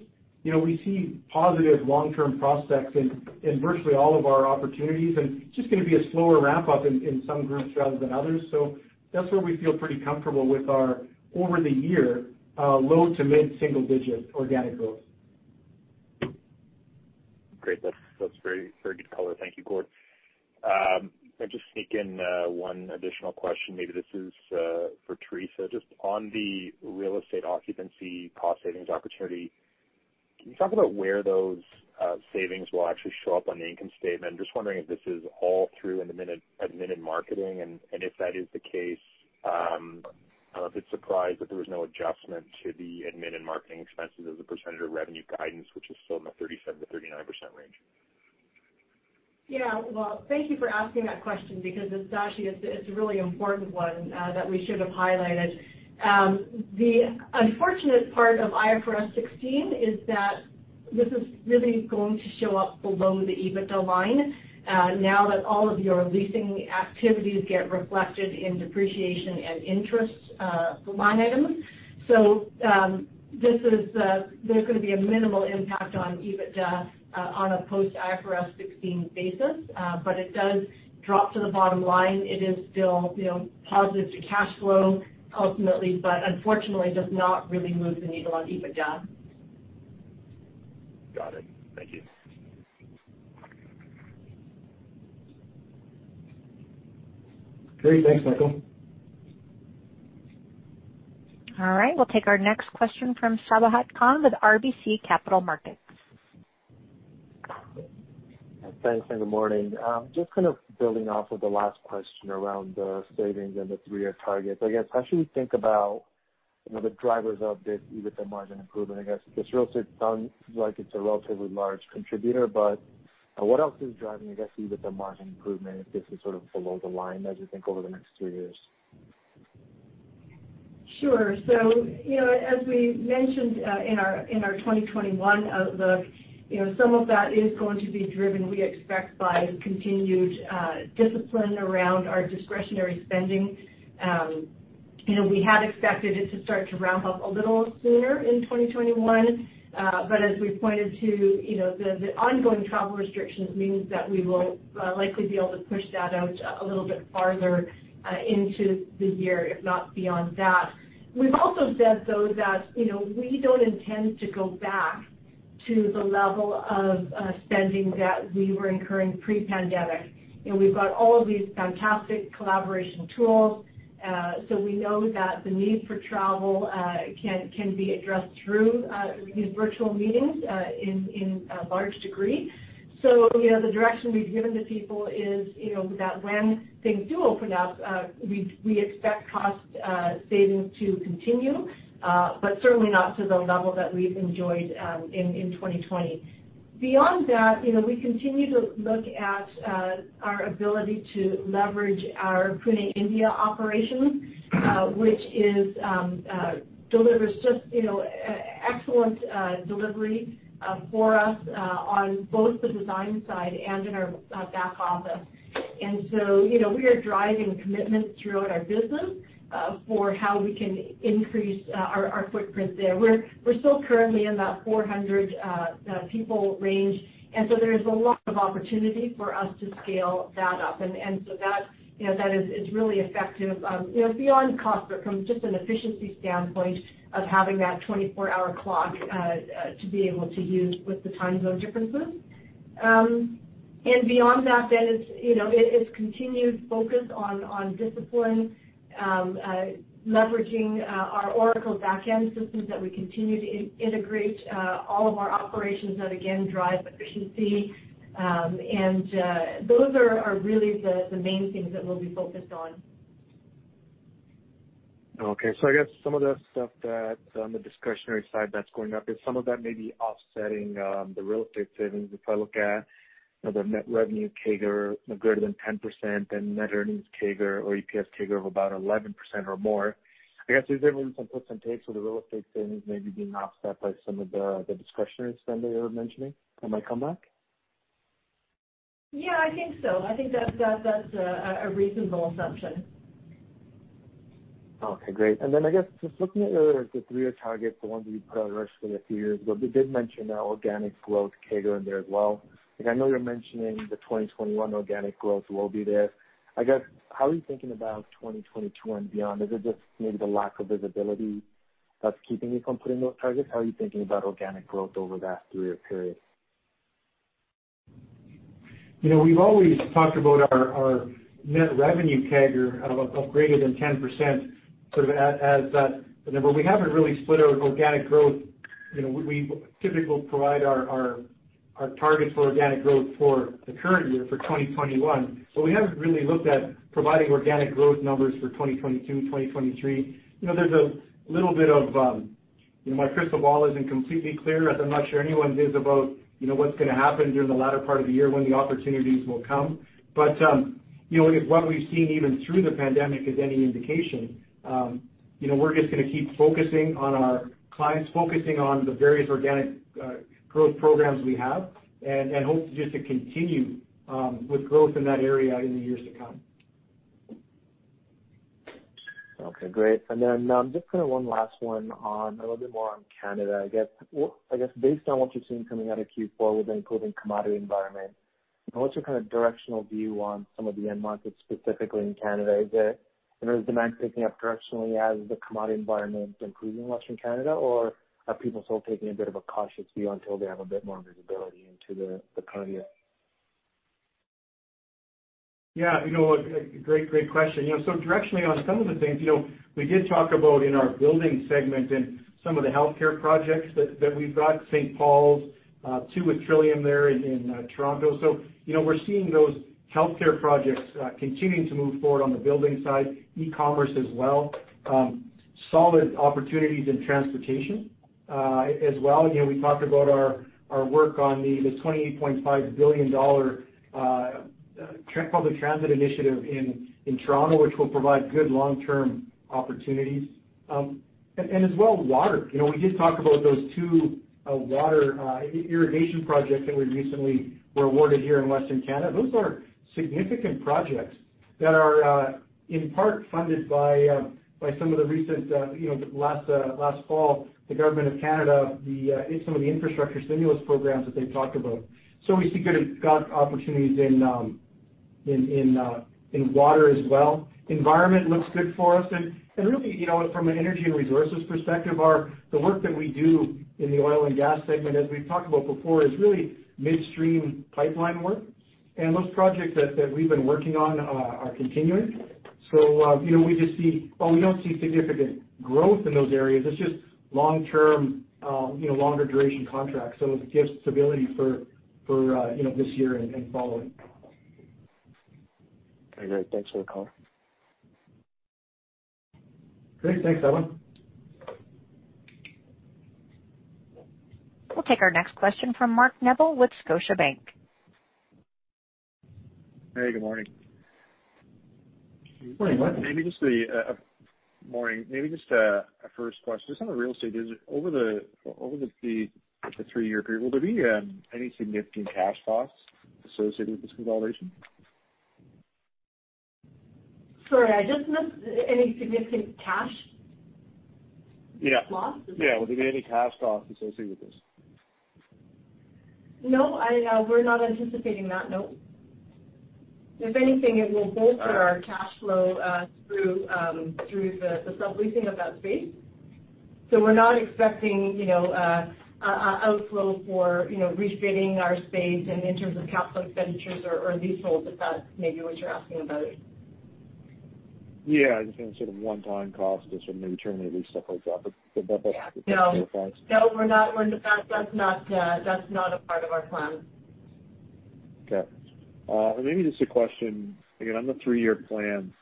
we see positive long-term prospects in virtually all of our opportunities, and it is just going to be a slower ramp up in some groups rather than others. That is where we feel pretty comfortable with our over the year low to mid single digit organic growth. Great. That's very good color. Thank you, Gord. If I just sneak in one additional question. Maybe this is for Theresa. Just on the real estate occupancy cost savings opportunity, can you talk about where those savings will actually show up on the income statement? I'm just wondering if this is all through in admin and marketing, and if that is the case, a bit surprised that there was no adjustment to the admin and marketing expenses as a percentage of revenue guidance, which is still in the 37%-39% range. Well, thank you for asking that question because it's actually a really important one that we should have highlighted. The unfortunate part of IFRS 16 is that this is really going to show up below the EBITDA line now that all of your leasing activities get reflected in depreciation and interest line items. There's going to be a minimal impact on EBITDA on a post IFRS 16 basis. It does drop to the bottom line. It is still positive to cash flow ultimately, but unfortunately, does not really move the needle on EBITDA. Got it. Thank you. Great. Thanks, Michael. All right, we'll take our next question from Sabahat Khan with RBC Capital Markets. Thanks, good morning. Just kind of building off of the last question around the savings and the three-year targets. I guess, how should we think about the drivers of this EBITDA margin improvement, I guess? Real estate sounds like it's a relatively large contributor, but what else is driving, I guess, EBITDA margin improvement if this is sort of below the line as we think over the next three years? Sure. As we mentioned in our 2021 outlook, some of that is going to be driven, we expect, by continued discipline around our discretionary spending. We had expected it to start to ramp up a little sooner in 2021. As we pointed to, the ongoing travel restrictions means that we will likely be able to push that out a little bit farther into the year, if not beyond that. We've also said, though, that we don't intend to go back to the level of spending that we were incurring pre-pandemic. We've got all of these fantastic collaboration tools. We know that the need for travel can be addressed through these virtual meetings in a large degree. The direction we've given to people is that when things do open up, we expect cost savings to continue. Certainly not to the level that we've enjoyed in 2020. Beyond that, we continue to look at our ability to leverage our Pune, India operations, which delivers just excellent delivery for us on both the design side and in our back office. We are driving commitments throughout our business for how we can increase our footprint there. We're still currently in that 400 people range, and so there's a lot of opportunity for us to scale that up. That is really effective, beyond cost, but from just an efficiency standpoint of having that 24-hour clock to be able to use with the time zone differences. Beyond that, then it's continued focus on discipline, leveraging our Oracle backend systems that we continue to integrate all of our operations that again, drive efficiency. Those are really the main things that we'll be focused on. I guess some of the stuff that on the discretionary side that's going up is some of that may be offsetting the real estate savings. If I look at the net revenue CAGR greater than 10% and net earnings CAGR or EPS CAGR of about 11% or more, I guess is there some puts and takes where the real estate savings may be being offset by some of the discretionary spending you're mentioning that might come back? Yeah, I think so. I think that's a reasonable assumption. Okay, great. I guess just looking at the three-year target, the ones we put out originally a few years ago, you did mention organic growth CAGR in there as well. I know you're mentioning the 2021 organic growth will be there. I guess, how are you thinking about 2022 and beyond? Is it just maybe the lack of visibility that's keeping you from putting those targets? How are you thinking about organic growth over that three-year period? We've always talked about our net revenue CAGR of greater than 10% sort of as that number. We haven't really split out organic growth. We typically provide our targets for organic growth for the current year, for 2021. We haven't really looked at providing organic growth numbers for 2022, 2023. There's a little bit of, my crystal ball isn't completely clear, as I'm not sure anyone's is about what's going to happen during the latter part of the year when the opportunities will come. If what we've seen even through the pandemic is any indication, we're just going to keep focusing on our clients, focusing on the various organic growth programs we have, and hope just to continue with growth in that area in the years to come. Okay, great. Just kind of one last one on a little bit more on Canada, I guess. Based on what you're seeing coming out of Q4 with improving commodity environment, what's your kind of directional view on some of the end markets specifically in Canada? Is the demand picking up directionally as the commodity environment is improving Western Canada, or are people still taking a bit of a cautious view until they have a bit more visibility into the current year? Yeah. Great question. Directionally on some of the things, we did talk about in our building segment and some of the healthcare projects that we've got, St. Paul's, two with Trillium there in Toronto. We're seeing those healthcare projects continuing to move forward on the building side, e-commerce as well. Solid opportunities in transportation as well. Again, we talked about our work on the 28.5 billion dollar public transit initiative in Toronto, which will provide good long-term opportunities. As well, water. We did talk about those two water irrigation projects that we recently were awarded here in Western Canada. Those are significant projects that are in part funded by some of the last fall, the government of Canada, some of the infrastructure stimulus programs that they've talked about. We see good opportunities in water as well. Environment looks good for us. Really, from an energy and resources perspective, the work that we do in the oil and gas segment, as we've talked about before, is really midstream pipeline work. Those projects that we've been working on are continuing. We just see, while we don't see significant growth in those areas, it's just longer duration contracts, so it gives stability for this year and following. Okay, great. Thanks for the call. Great. Thanks, Sabahat. We'll take our next question from Mark Neville with Scotiabank. Hey, good morning. Morning, Mark. Maybe just a first question. Just on the real estate, over the three-year period, will there be any significant cash loss associated with this consolidation? Sorry, I just missed. Any significant cash? Yeah loss? Yeah. Will there be any cash costs associated with this? No, we're not anticipating that. No. If anything, it will bolster our cash flow through the subleasing of that space. We're not expecting outflow for refitting our space and in terms of capital expenditures or leaseholds, if that's maybe what you're asking about. Yeah, just any sort of one-time cost just from maybe terminating stuff like that. No. That's all right. No, that's not a part of our plan. Okay. Maybe just a question, again, on the three-year plan,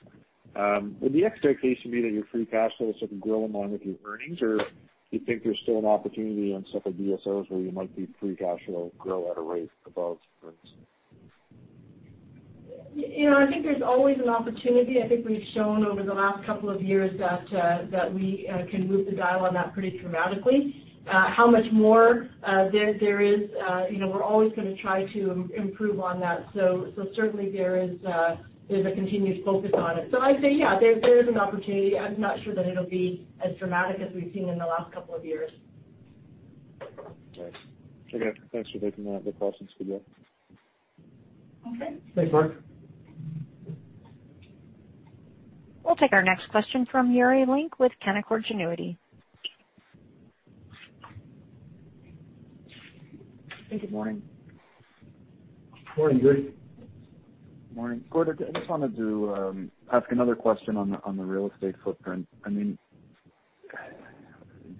would the expectation be that your free cash flow sort of grow along with your earnings, or do you think there's still an opportunity on stuff like DSOs where you might see free cash flow grow at a rate above earnings? I think there's always an opportunity. I think we've shown over the last couple of years that we can move the dial on that pretty dramatically. How much more there is, we're always going to try to improve on that. Certainly there's a continuous focus on it. I'd say yes, there is an opportunity. I'm not sure that it'll be as dramatic as we've seen in the last couple of years. Okay. Thanks for taking the questions. Good day. Okay. Thanks, Mark. We'll take our next question from Yuri Lynk with Canaccord Genuity. Good morning. Morning, Yuri. Morning. Gord, I just wanted to ask another question on the real estate footprint. I mean,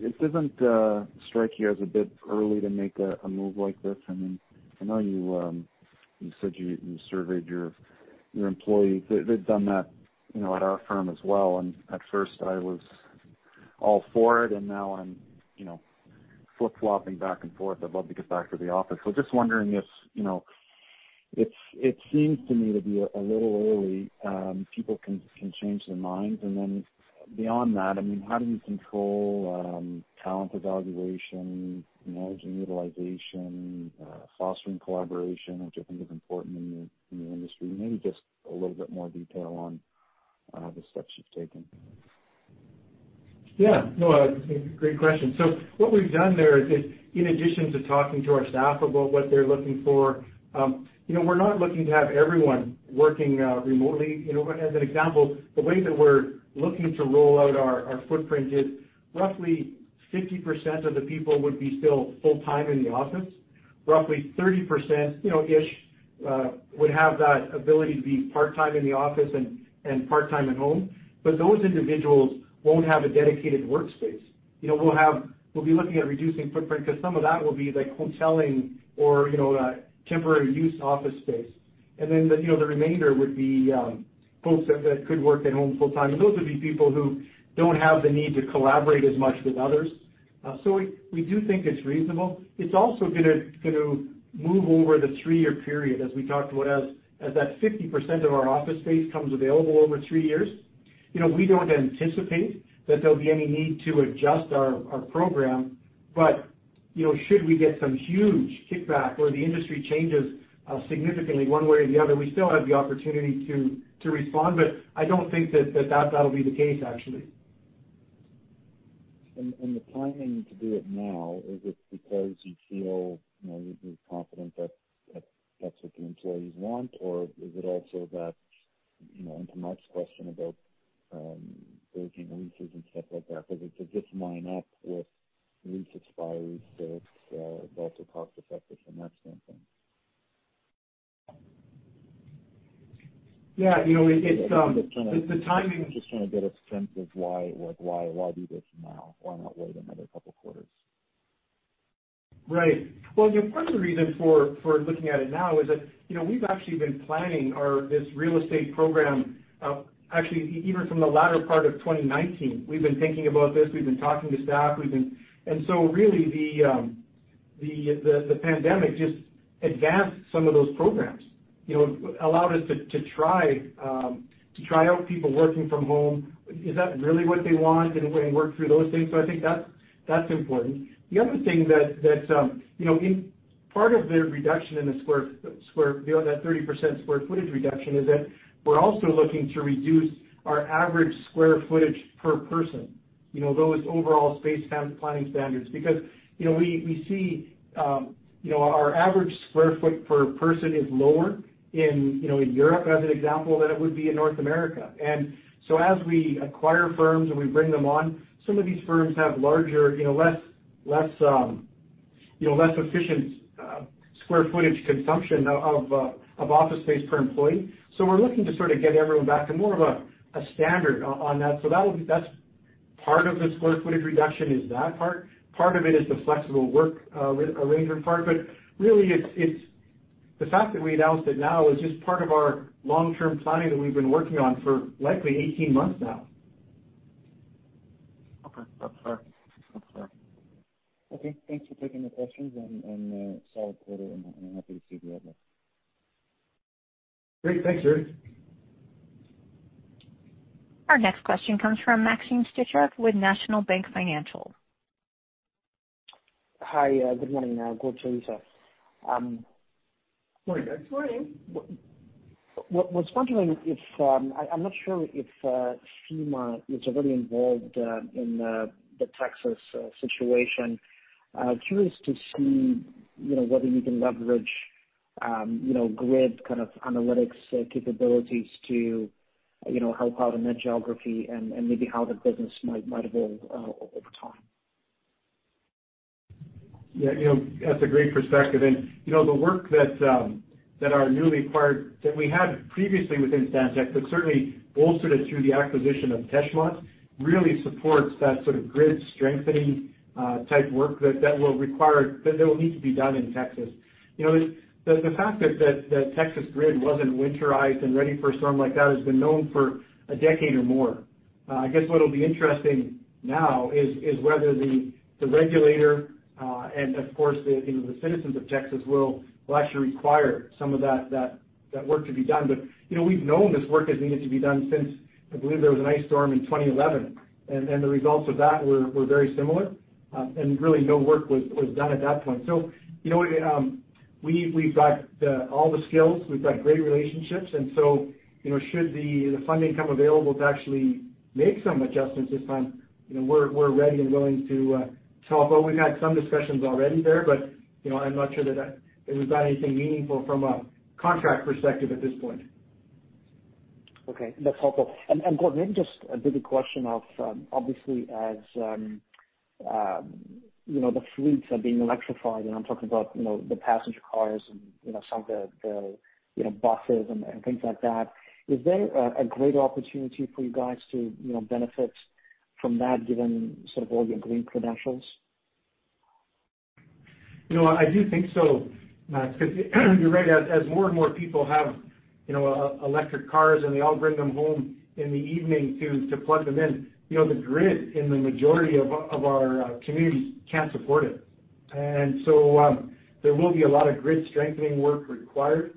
this doesn't strike you as a bit early to make a move like this? I mean, I know you said you surveyed your employees. They've done that at our firm as well. At first, I was all for it, and now I'm flip-flopping back and forth. I'd love to get back to the office. So just wondering if it seems to me to be a little early. People can change their minds. Beyond that, how do you control talent evaluation, managing utilization, fostering collaboration, which I think is important in your industry? Maybe just a little bit more detail on the steps you've taken. No, great question. What we've done there is, in addition to talking to our staff about what they're looking for, we're not looking to have everyone working remotely. As an example, the way that we're looking to roll out our footprint is roughly 50% of the people would be still full-time in the office. Roughly 30%-ish would have that ability to be part-time in the office and part-time at home. Those individuals won't have a dedicated workspace. We'll be looking at reducing footprint because some of that will be like hoteling or temporary use office space. The remainder would be folks that could work at home full-time. Those would be people who don't have the need to collaborate as much with others. We do think it's reasonable. It's also going to move over the three-year period as we talked about, as that 50% of our office space becomes available over three years. We don't anticipate that there'll be any need to adjust our program. Should we get some huge kickback or the industry changes significantly one way or the other, we still have the opportunity to respond, but I don't think that that'll be the case, actually. The timing to do it now, is it because you feel confident that that's what your employees want? Is it also that and to Mark's question about breaking leases and stuff like that, does this line up with lease expiries so it's also cost-effective from that standpoint? Yeah. It's the timing- Just trying to get a sense of why do this now. Why not wait another couple of quarters? Right. Well, part of the reason for looking at it now is that we've actually been planning this real estate program actually even from the latter part of 2019. We've been thinking about this. We've been talking to staff. Really the pandemic just advanced some of those programs, allowed us to try out people working from home. Is that really what they want? Work through those things. I think that's important. The other thing that in part of the reduction in that 30% square footage reduction is that we're also looking to reduce our average square footage per person, those overall space planning standards. Because we see our average square foot per person is lower in Europe as an example, than it would be in North America. As we acquire firms and we bring them on, some of these firms have larger, less efficient square footage consumption of office space per employee. We're looking to sort of get everyone back to more of a standard on that. Part of the square footage reduction is that part. Part of it is the flexible work arrangement part. Really, the fact that we announced it now is just part of our long-term planning that we've been working on for likely 18 months now. Okay. That's fair. Okay, thanks for taking the questions and solid quarter, and I'm happy to see the outlook. Great. Thanks, Yuri. Our next question comes from Maxim Sytchev with National Bank Financial. Hi, good morning, Gord, Theresa. Morning. Morning Morning. Was wondering, I'm not sure if FEMA is already involved in the Texas situation. Curious to see whether you can leverage grid kind of analytics capabilities to help out in that geography and maybe how the business might evolve over time. Yeah, that's a great perspective. The work that we had previously within Stantec, but certainly bolstered it through the acquisition of Teshmont, really supports that sort of grid strengthening type work that will need to be done in Texas. The fact that the Texas grid wasn't winterized and ready for a storm like that has been known for a decade or more. I guess what'll be interesting now is whether the regulator and, of course, the citizens of Texas will actually require some of that work to be done. We've known this work has needed to be done since, I believe there was an ice storm in 2011, and the results of that were very similar. Really no work was done at that point. We've got all the skills, we've got great relationships, should the funding come available to actually make some adjustments this time, we're ready and willing to help out. We've had some discussions already there, I'm not sure that we've got anything meaningful from a contract perspective at this point. Okay. That's helpful. Gord, maybe just a bit of question of, obviously as the fleets are being electrified, and I'm talking about the passenger cars and some of the buses and things like that, is there a greater opportunity for you guys to benefit from that given sort of all your green credentials? I do think so, Max, because you're right. As more and more people have electric cars and they all bring them home in the evening to plug them in, the grid in the majority of our communities can't support it. There will be a lot of grid strengthening work required.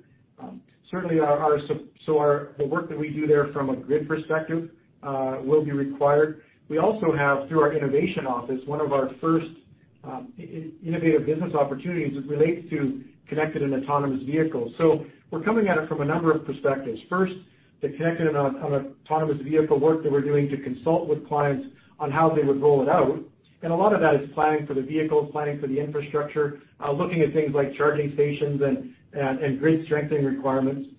Certainly, the work that we do there from a grid perspective will be required. We also have, through our innovation office, one of our first innovative business opportunities relates to connected and autonomous vehicles. We're coming at it from a number of perspectives. First, the connected and autonomous vehicle work that we're doing to consult with clients on how they would roll it out, and a lot of that is planning for the vehicles, planning for the infrastructure, looking at things like charging stations and grid strengthening requirements.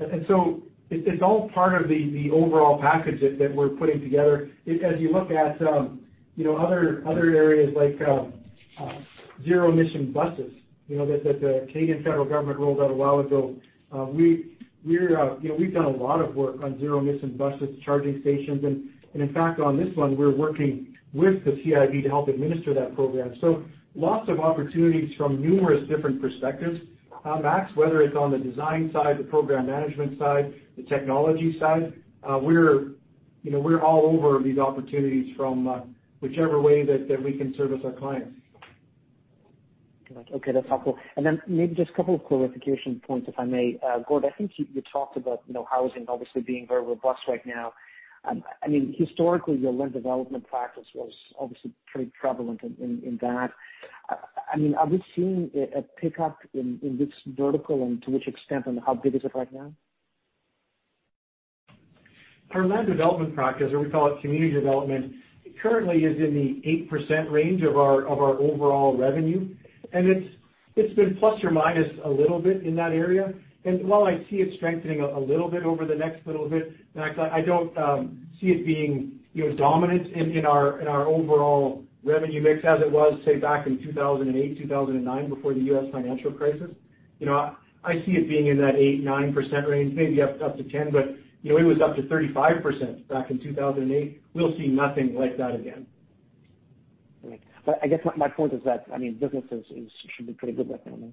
It's all part of the overall package that we're putting together. As you look at other areas like zero-emission buses that the Canadian federal government rolled out a while ago. We've done a lot of work on zero-emission buses, charging stations, and in fact, on this one, we're working with the CIB to help administer that program. Lots of opportunities from numerous different perspectives. Max, whether it's on the design side, the program management side, the technology side, we're all over these opportunities from whichever way that we can service our clients. Got it. Okay, that's helpful. Then maybe just a couple of clarification points, if I may. Gord, I think you talked about housing obviously being very robust right now. Historically, your land development practice was obviously pretty prevalent in that. Are we seeing a pickup in this vertical, and to which extent and how big is it right now? Our land development practice, or we call it community development, currently is in the 8% range of our overall revenue, and it's been plus or minus a little bit in that area. While I see it strengthening a little bit over the next little bit, Max, I don't see it being dominant in our overall revenue mix as it was, say, back in 2008, 2009, before the U.S. financial crisis. I see it being in that 8%, 9% range, maybe up to 10%, but it was up to 35% back in 2008. We'll see nothing like that again. Right. I guess my point is that business should be pretty good right now.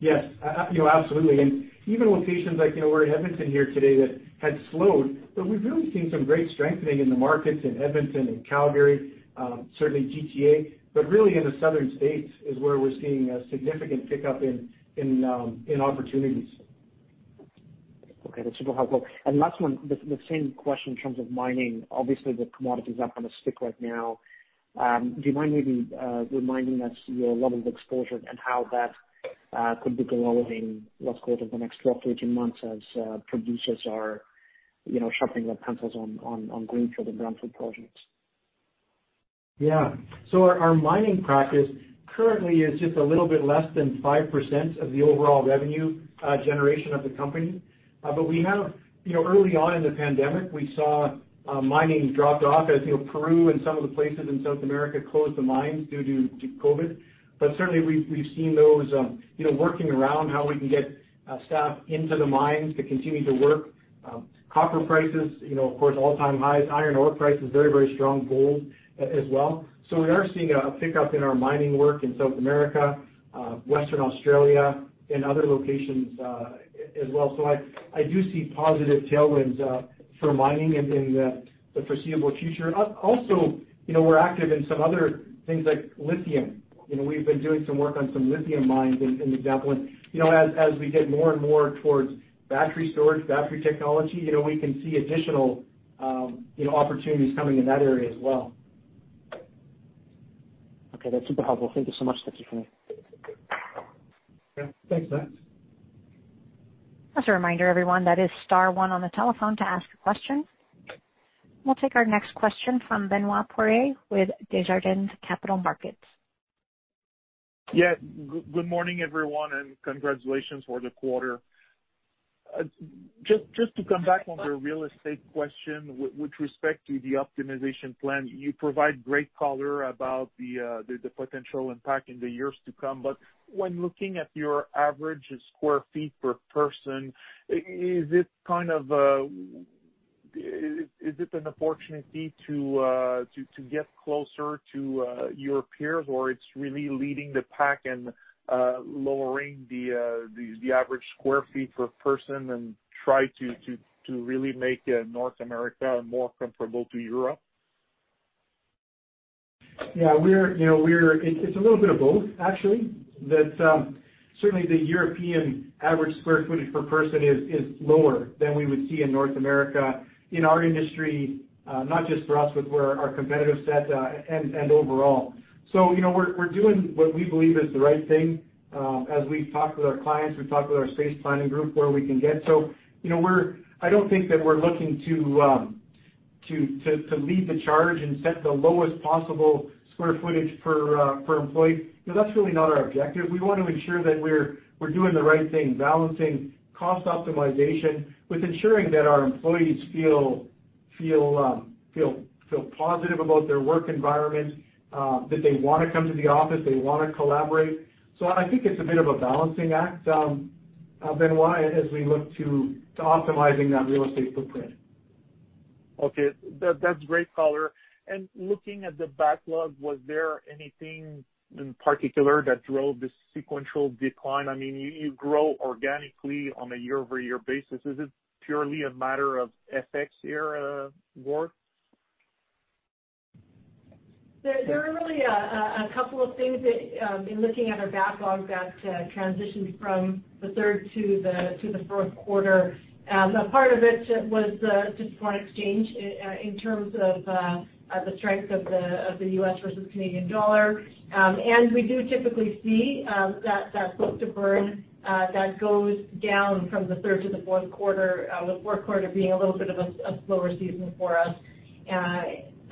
Yes. Absolutely. Even locations like we're in Edmonton here today that had slowed, but we've really seen some great strengthening in the markets in Edmonton and Calgary, certainly GTA, but really in the southern states is where we're seeing a significant pickup in opportunities. Okay, that's super helpful. Last one, the same question in terms of mining. Obviously, the commodity's up on a stick right now. Do you mind maybe reminding us your level of exposure and how that could be growing, let's call it in the next 12 to 18 months as producers are sharpening their pencils on greenfield and brownfield projects? Our mining practice currently is just a little bit less than 5% of the overall revenue generation of the company. Early on in the pandemic, we saw mining dropped off as Peru and some of the places in South America closed the mines due to COVID. Certainly, we've seen those working around how we can get staff into the mines to continue to work. Copper prices, of course, all-time highs. Iron ore prices very, very strong. Gold as well. We are seeing a pickup in our mining work in South America, Western Australia and other locations as well. I do see positive tailwinds for mining in the foreseeable future. Also, we're active in some other things like lithium. We've been doing some work on some lithium mines in Newfoundland. As we get more and more towards battery storage, battery technology, we can see additional opportunities coming in that area as well. Okay. That's super helpful. Thank you so much. That's it for me. Yeah. Thanks, Max. As a reminder, everyone, that is star one on the telephone to ask a question. We'll take our next question from Benoit Poirier with Desjardins Capital Markets. Yeah. Good morning, everyone, and congratulations for the quarter. Just to come back on the real estate question, with respect to the optimization plan, you provide great color about the potential impact in the years to come. When looking at your average square feet per person, is it an opportunity to get closer to your peers, or it's really leading the pack and lowering the average square feet per person and try to really make North America more comparable to Europe? Yeah. It's a little bit of both, actually. Certainly the European average square footage per person is lower than we would see in North America in our industry, not just for us with our competitive set and overall. We're doing what we believe is the right thing. As we talk with our clients, we talk with our space planning group where we can get. I don't think that we're looking to lead the charge and set the lowest possible square footage per employee, because that's really not our objective. We want to ensure that we're doing the right thing, balancing cost optimization with ensuring that our employees feel positive about their work environment, that they want to come to the office, they want to collaborate. I think it's a bit of a balancing act, Benoit, as we look to optimizing that real estate footprint. Okay. That's great color. Looking at the backlog, was there anything in particular that drove the sequential decline? You grow organically on a year-over-year basis. Is it purely a matter of FX here, Gord? There are really a couple of things in looking at our backlog that transitioned from the third to the fourth quarter. A part of it was just foreign exchange in terms of the strength of the U.S. versus Canadian dollar. We do typically see that book to burn that goes down from the third to the fourth quarter, with fourth quarter being a little bit of a slower season for us.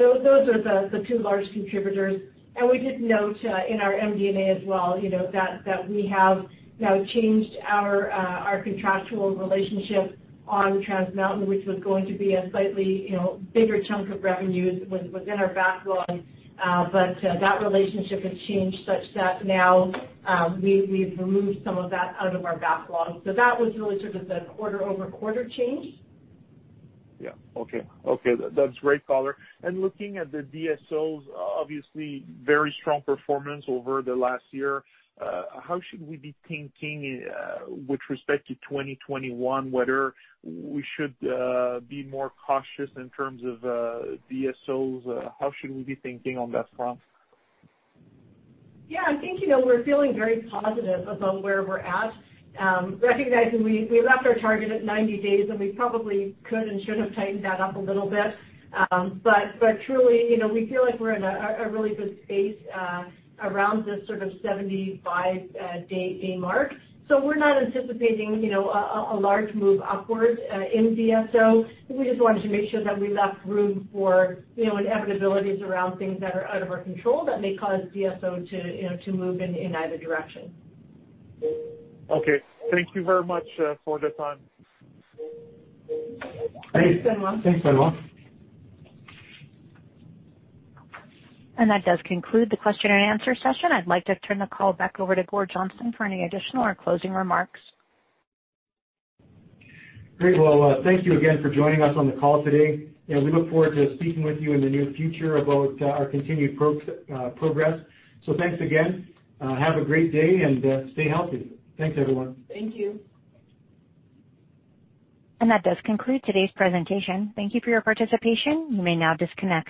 Those are the two large contributors. We did note in our MD&A as well, that we have now changed our contractual relationship on Trans Mountain, which was going to be a slightly bigger chunk of revenues within our backlog. That relationship has changed such that now we've removed some of that out of our backlog. That was really sort of the quarter-over-quarter change. Yeah. Okay. That's great color. Looking at the DSOs, obviously very strong performance over the last year. How should we be thinking with respect to 2021, whether we should be more cautious in terms of DSOs? How should we be thinking on that front? Yeah, I think we're feeling very positive about where we're at. Recognizing we left our target at 90 days, and we probably could and should have tightened that up a little bit. Truly, we feel like we're in a really good space around this sort of 75-day mark. We're not anticipating a large move upward in DSO. We just wanted to make sure that we left room for inevitabilities around things that are out of our control that may cause DSO to move in either direction. Okay. Thank you very much for the time. Thanks, Benoit. Thanks, Benoit. That does conclude the question and answer session. I'd like to turn the call back over to Gord Johnston for any additional or closing remarks. Great. Well, thank you again for joining us on the call today. We look forward to speaking with you in the near future about our continued progress. Thanks again. Have a great day, and stay healthy. Thanks, everyone. Thank you. That does conclude today's presentation. Thank you for your participation. You may now disconnect.